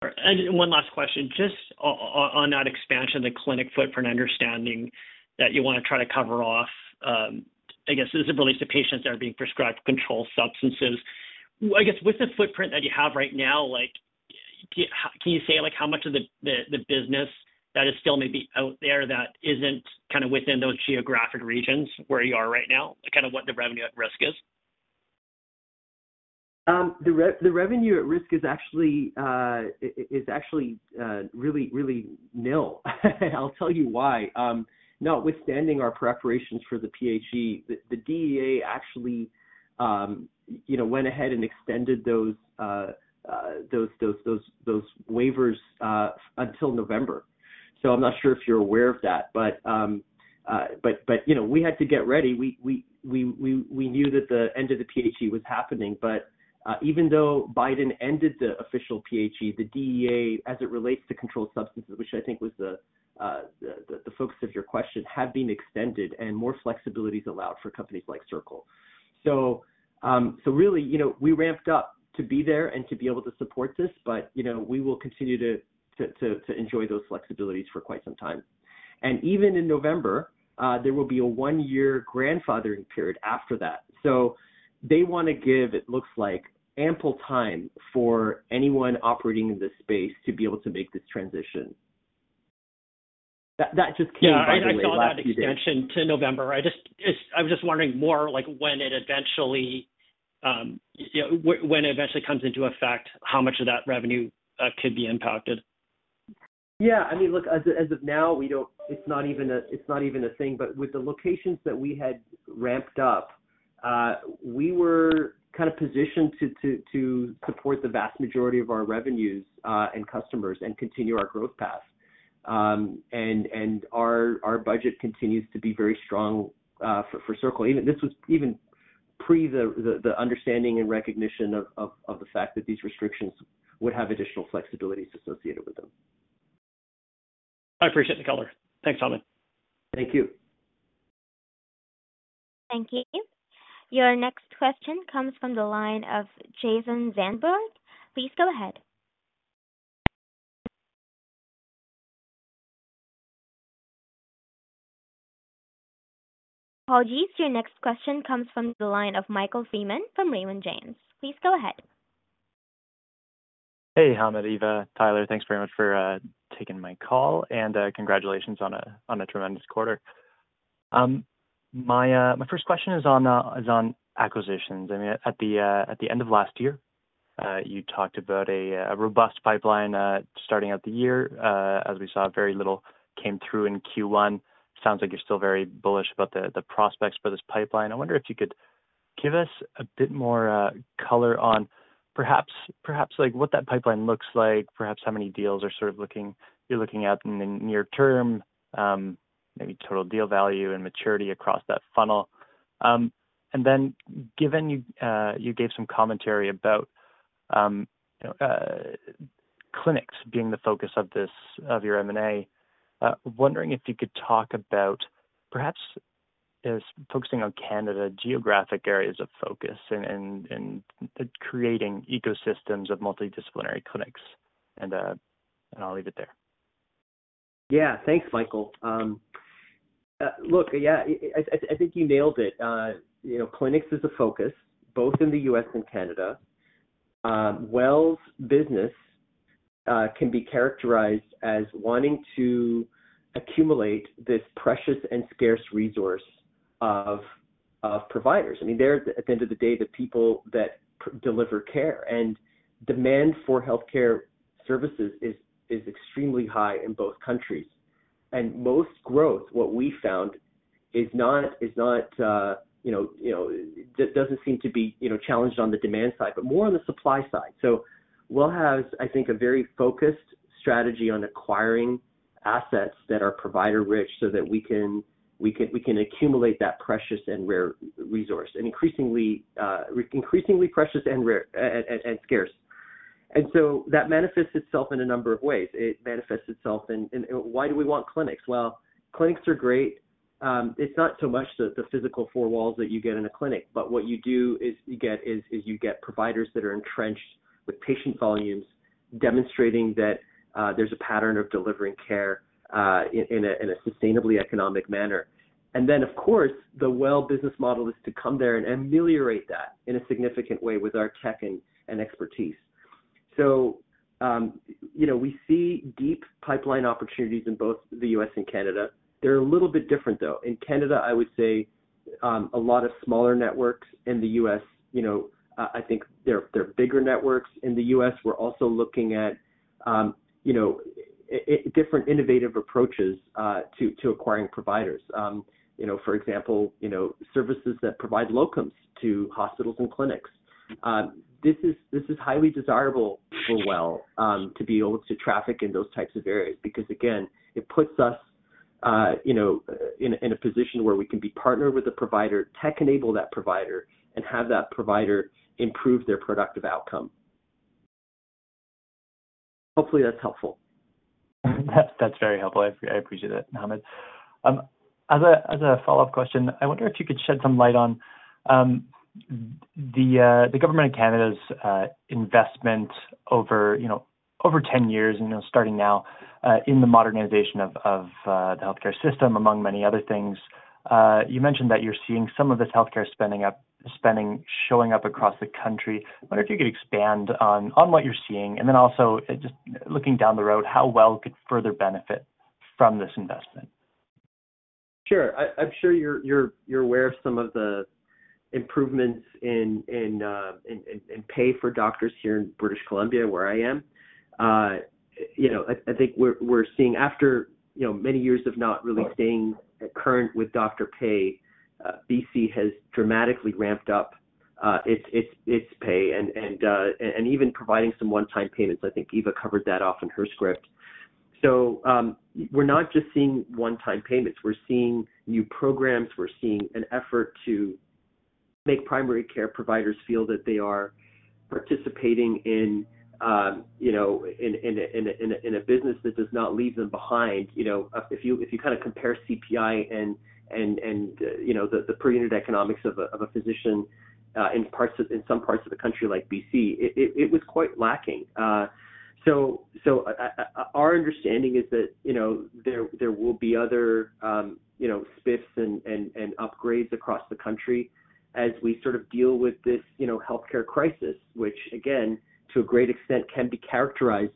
One last question, just on that expansion, the clinic footprint understanding that you wanna try to cover off, I guess as it relates to patients that are being prescribed controlled substances. I guess with the footprint that you have right now, like, can you say, like, how much of the business that is still maybe out there that isn't kinda within those geographic regions where you are right now, kind of what the revenue at risk is? The revenue at risk is actually really, really nil. I'll tell you why. Notwithstanding our preparations for the PHE, the DEA actually, you know, went ahead and extended those waivers until November. I'm not sure if you're aware of that, but, you know, we had to get ready. We knew that the end of the PHE was happening. Even though Biden ended the official PHE, the DEA, as it relates to controlled substances, which I think was the focus of your question, have been extended and more flexibilities allowed for companies like Circle. Really, you know, we ramped up to be there and to be able to support this, but, you know, we will continue to enjoy those flexibilities for quite some time. Even in November, there will be a one-year grandfathering period after that. They wanna give, it looks like, ample time for anyone operating in this space to be able to make this transition. That just came by the way last few days. Yeah. I know about that extension to November. I was just wondering more like when it eventually, you know, when it eventually comes into effect, how much of that revenue could be impacted? Yeah. I mean, look, as of now, it's not even a thing. With the locations that we had ramped up, we were kind of positioned to support the vast majority of our revenues and customers and continue our growth path. Our budget continues to be very strong for Circle. This was even pre the understanding and recognition of the fact that these restrictions would have additional flexibilities associated with them. I appreciate the color. Thanks, Hamed. Thank you. Thank you. Your next question comes from the line of Jason Zandberg. Please go ahead. Apologies. Your next question comes from the line of Michael Freeman from Raymond James. Please go ahead. Hey, Hamed, Eva, Tyler, thanks very much for taking my call, and congratulations on a tremendous quarter. My first question is on acquisitions. I mean, at the end of last year, you talked about a robust pipeline, starting out the year. As we saw, very little came through in Q1. Sounds like you're still very bullish about the prospects for this pipeline. I wonder if you could give us a bit more color on perhaps like what that pipeline looks like, perhaps how many deals are sort of looking at in the near term, maybe total deal value and maturity across that funnel. Given you gave some commentary about, you know, clinics being the focus of this, of your M&A. Wondering if you could talk about perhaps as focusing on Canada geographic areas of focus and creating ecosystems of multidisciplinary clinics and I'll leave it there. Thanks, Michael. Look, yeah, I, I think you nailed it. You know, clinics is a focus both in the U.S. and Canada. WELL's business can be characterized as wanting to accumulate this precious and scarce resource of providers. I mean, they're, at the end of the day, the people that deliver care. Demand for healthcare services is extremely high in both countries. Most growth, what we found is not, you know, doesn't seem to be, you know, challenged on the demand side, but more on the supply side. WELL has, I think, a very focused strategy on acquiring assets that are provider rich so that we can accumulate that precious and rare resource and increasingly precious and rare and scarce. That manifests itself in a number of ways. It manifests itself in why do we want clinics? Well, clinics are great. It's not so much the physical four walls that you get in a clinic, but what you do is you get providers that are entrenched with patient volumes, demonstrating that there's a pattern of delivering care in a sustainably economic manner. Of course, the WELL business model is to come there and ameliorate that in a significant way with our tech and expertise. You know, we see deep pipeline opportunities in both the U.S. and Canada. They're a little bit different, though. In Canada, I would say, a lot of smaller networks. In the U.S., you know, I think they're bigger networks. In the U.S., we're also looking at, you know, different innovative approaches to acquiring providers. For example, you know, services that provide locums to hospitals and clinics. This is highly desirable for WELL to be able to traffic in those types of areas because, again, it puts us, you know, in a position where we can be partner with the provider, tech enable that provider, and have that provider improve their productive outcome. Hopefully, that's helpful. That's very helpful. I appreciate it, Mohammed. As a follow-up question, I wonder if you could shed some light on the Government of Canada's investment over, you know, over 10 years and, you know, starting now, in the modernization of the healthcare system, among many other things. You mentioned that you're seeing some of this healthcare spending showing up across the country. I wonder if you could expand on what you're seeing and then also just looking down the road, how WELL could further benefit from this investment. Sure. I'm sure you're aware of some of the improvements in pay for doctors here in British Columbia, where I am. You know, I think we're seeing after, you know, many years of not really staying current with doctor pay, BC has dramatically ramped up its pay and even providing some one-time payments. I think Eva covered that off in her script. We're not just seeing one-time payments. We're seeing new programs. We're seeing an effort to make primary care providers feel that they are participating in, you know, in a business that does not leave them behind. You know, if you kinda compare CPI and, you know, the per unit economics of a physician in some parts of the country like BC, it was quite lacking. Our understanding is that, you know, there will be other, you know, spiffs and upgrades across the country as we sort of deal with this, you know, healthcare crisis, which again, to a great extent can be characterized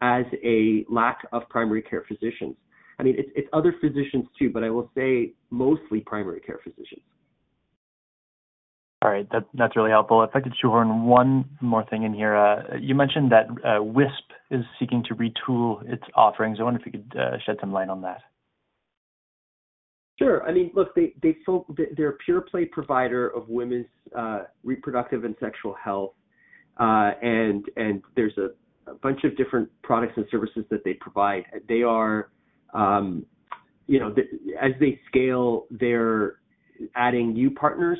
as a lack of primary care physicians. I mean, it's other physicians too, but I will say mostly primary care physicians. All right. That's really helpful. If I could throw in one more thing in here. You mentioned that Wisp is seeking to retool its offerings. I wonder if you could shed some light on that. Sure. I mean, look, they sold, they're a pure play provider of women's reproductive and sexual health. There's a bunch of different products and services that they provide. They are, you know, as they scale, they're adding new partners,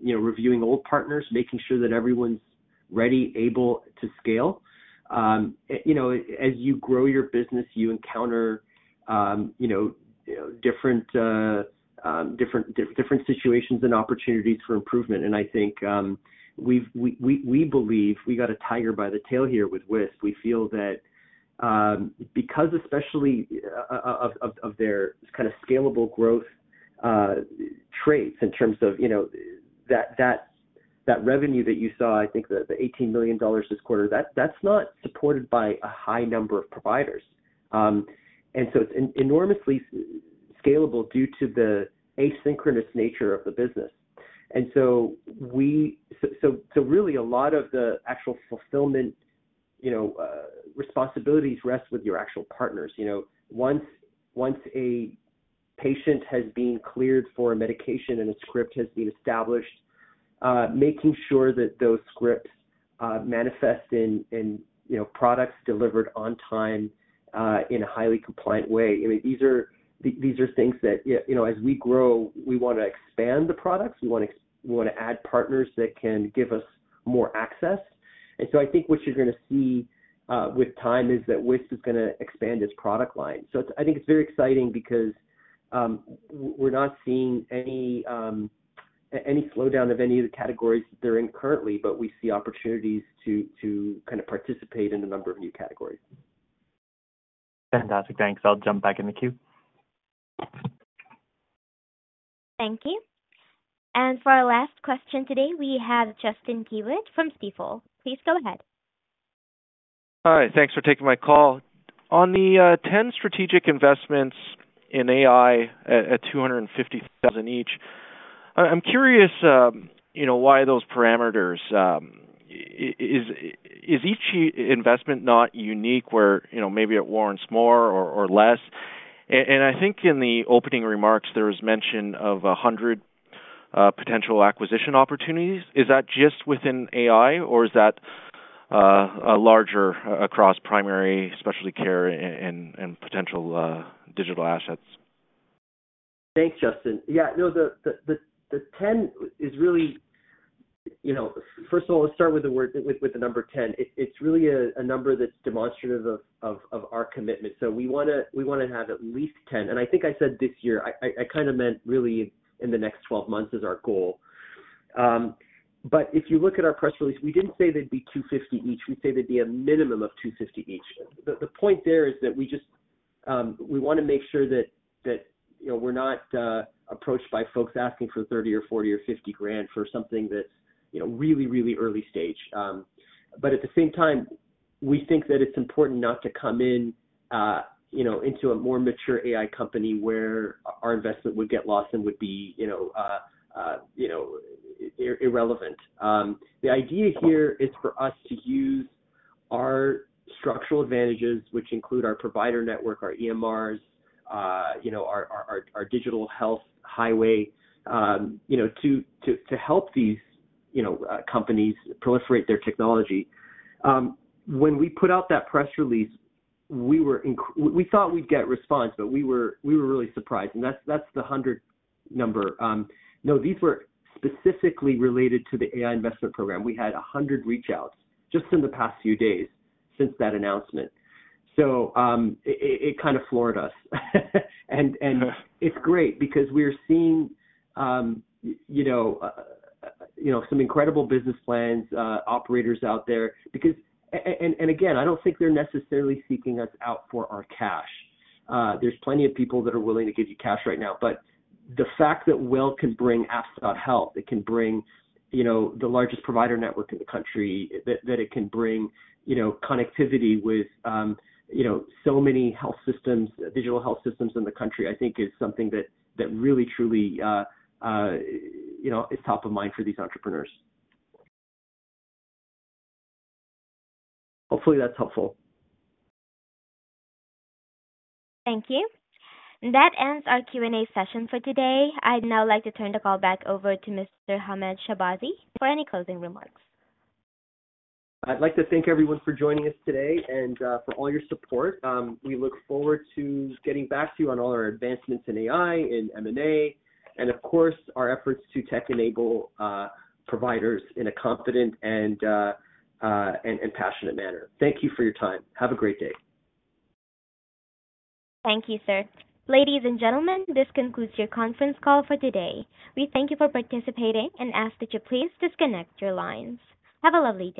you know, reviewing old partners, making sure that everyone's ready, able to scale. You know, as you grow your business, you encounter, you know, different situations and opportunities for improvement. I think, we believe we got a tiger by the tail here with Wisp. We feel that, because especially of their kind of scalable growth traits in terms of, you know, that revenue that you saw, I think the $18 million this quarter, that's not supported by a high number of providers. It's enormously scalable due to the asynchronous nature of the business. Really a lot of the actual fulfillment, you know, responsibilities rest with your actual partners. You know, once a patient has been cleared for a medication and a script has been established. Making sure that those scripts manifest in, you know, products delivered on time in a highly compliant way. I mean, these are things that, you know, as we grow, we wanna expand the products. We wanna add partners that can give us more access. I think what you're gonna see with time is that Wisp is gonna expand its product line. I think it's very exciting because, we're not seeing any slowdown of any of the categories that they're in currently, we see opportunities to kind of participate in a number of new categories. Fantastic. Thanks. I'll jump back in the queue. Thank you. For our last question today, we have Justin Keywood from Stifel. Please go ahead. All right, thanks for taking my call. On the 10 strategic investments in AI at 250,000 each, I'm curious, you know, why those parameters? Is each investment not unique where, you know, maybe it warrants more or less? I think in the opening remarks there was mention of 100 potential acquisition opportunities. Is that just within AI or is that a larger across primary specialty care and potential digital assets? Thanks, Justin. Yeah, no, the 10 is really, you know. First of all, let's start with the word, with the number 10. It's really a number that's demonstrative of our commitment. We wanna have at least 10. I think I said this year, I kind of meant really in the next 12 months is our goal. If you look at our press release, we didn't say they'd be 250 each. We say they'd be a minimum of 250 each. The point there is that we just, we wanna make sure that, you know, we're not approached by folks asking for 30 grand or 40 grand or 50 grand for something that's, you know, really early stage. At the same time, we think that it's important not to come in, you know, into a more mature AI company where our investment would get lost and would be, you know, irrelevant. The idea here is for us to use our structural advantages, which include our provider network, our EMRs, you know, our digital health highway, you know, to help these, you know, companies proliferate their technology. When we put out that press release, we thought we'd get response, but we were really surprised and that's the 100 number. No, these were specifically related to the AI Investment Program. We had 100 reach outs just in the past few days since that announcement. It kind of floored us. It's great because we're seeing, you know, some incredible business plans, operators out there because. And again, I don't think they're necessarily seeking us out for our cash. There's plenty of people that are willing to give you cash right now, but the fact that WELL can bring Ask About Health, it can bring, you know, the largest provider network in the country, that it can bring, you know, connectivity with, you know, so many health systems, digital health systems in the country, I think is something that really truly, you know, is top of mind for these entrepreneurs. Hopefully that's helpful. Thank you. That ends our Q&A session for today. I'd now like to turn the call back over to Mr. Hamed Shahbazi for any closing remarks. I'd like to thank everyone for joining us today and for all your support. We look forward to getting back to you on all our advancements in AI, in M&A, and of course, our efforts to tech enable providers in a confident and passionate manner. Thank you for your time. Have a great day. Thank you, sir. Ladies and gentlemen, this concludes your conference call for today. We thank you for participating and ask that you please disconnect your lines. Have a lovely day.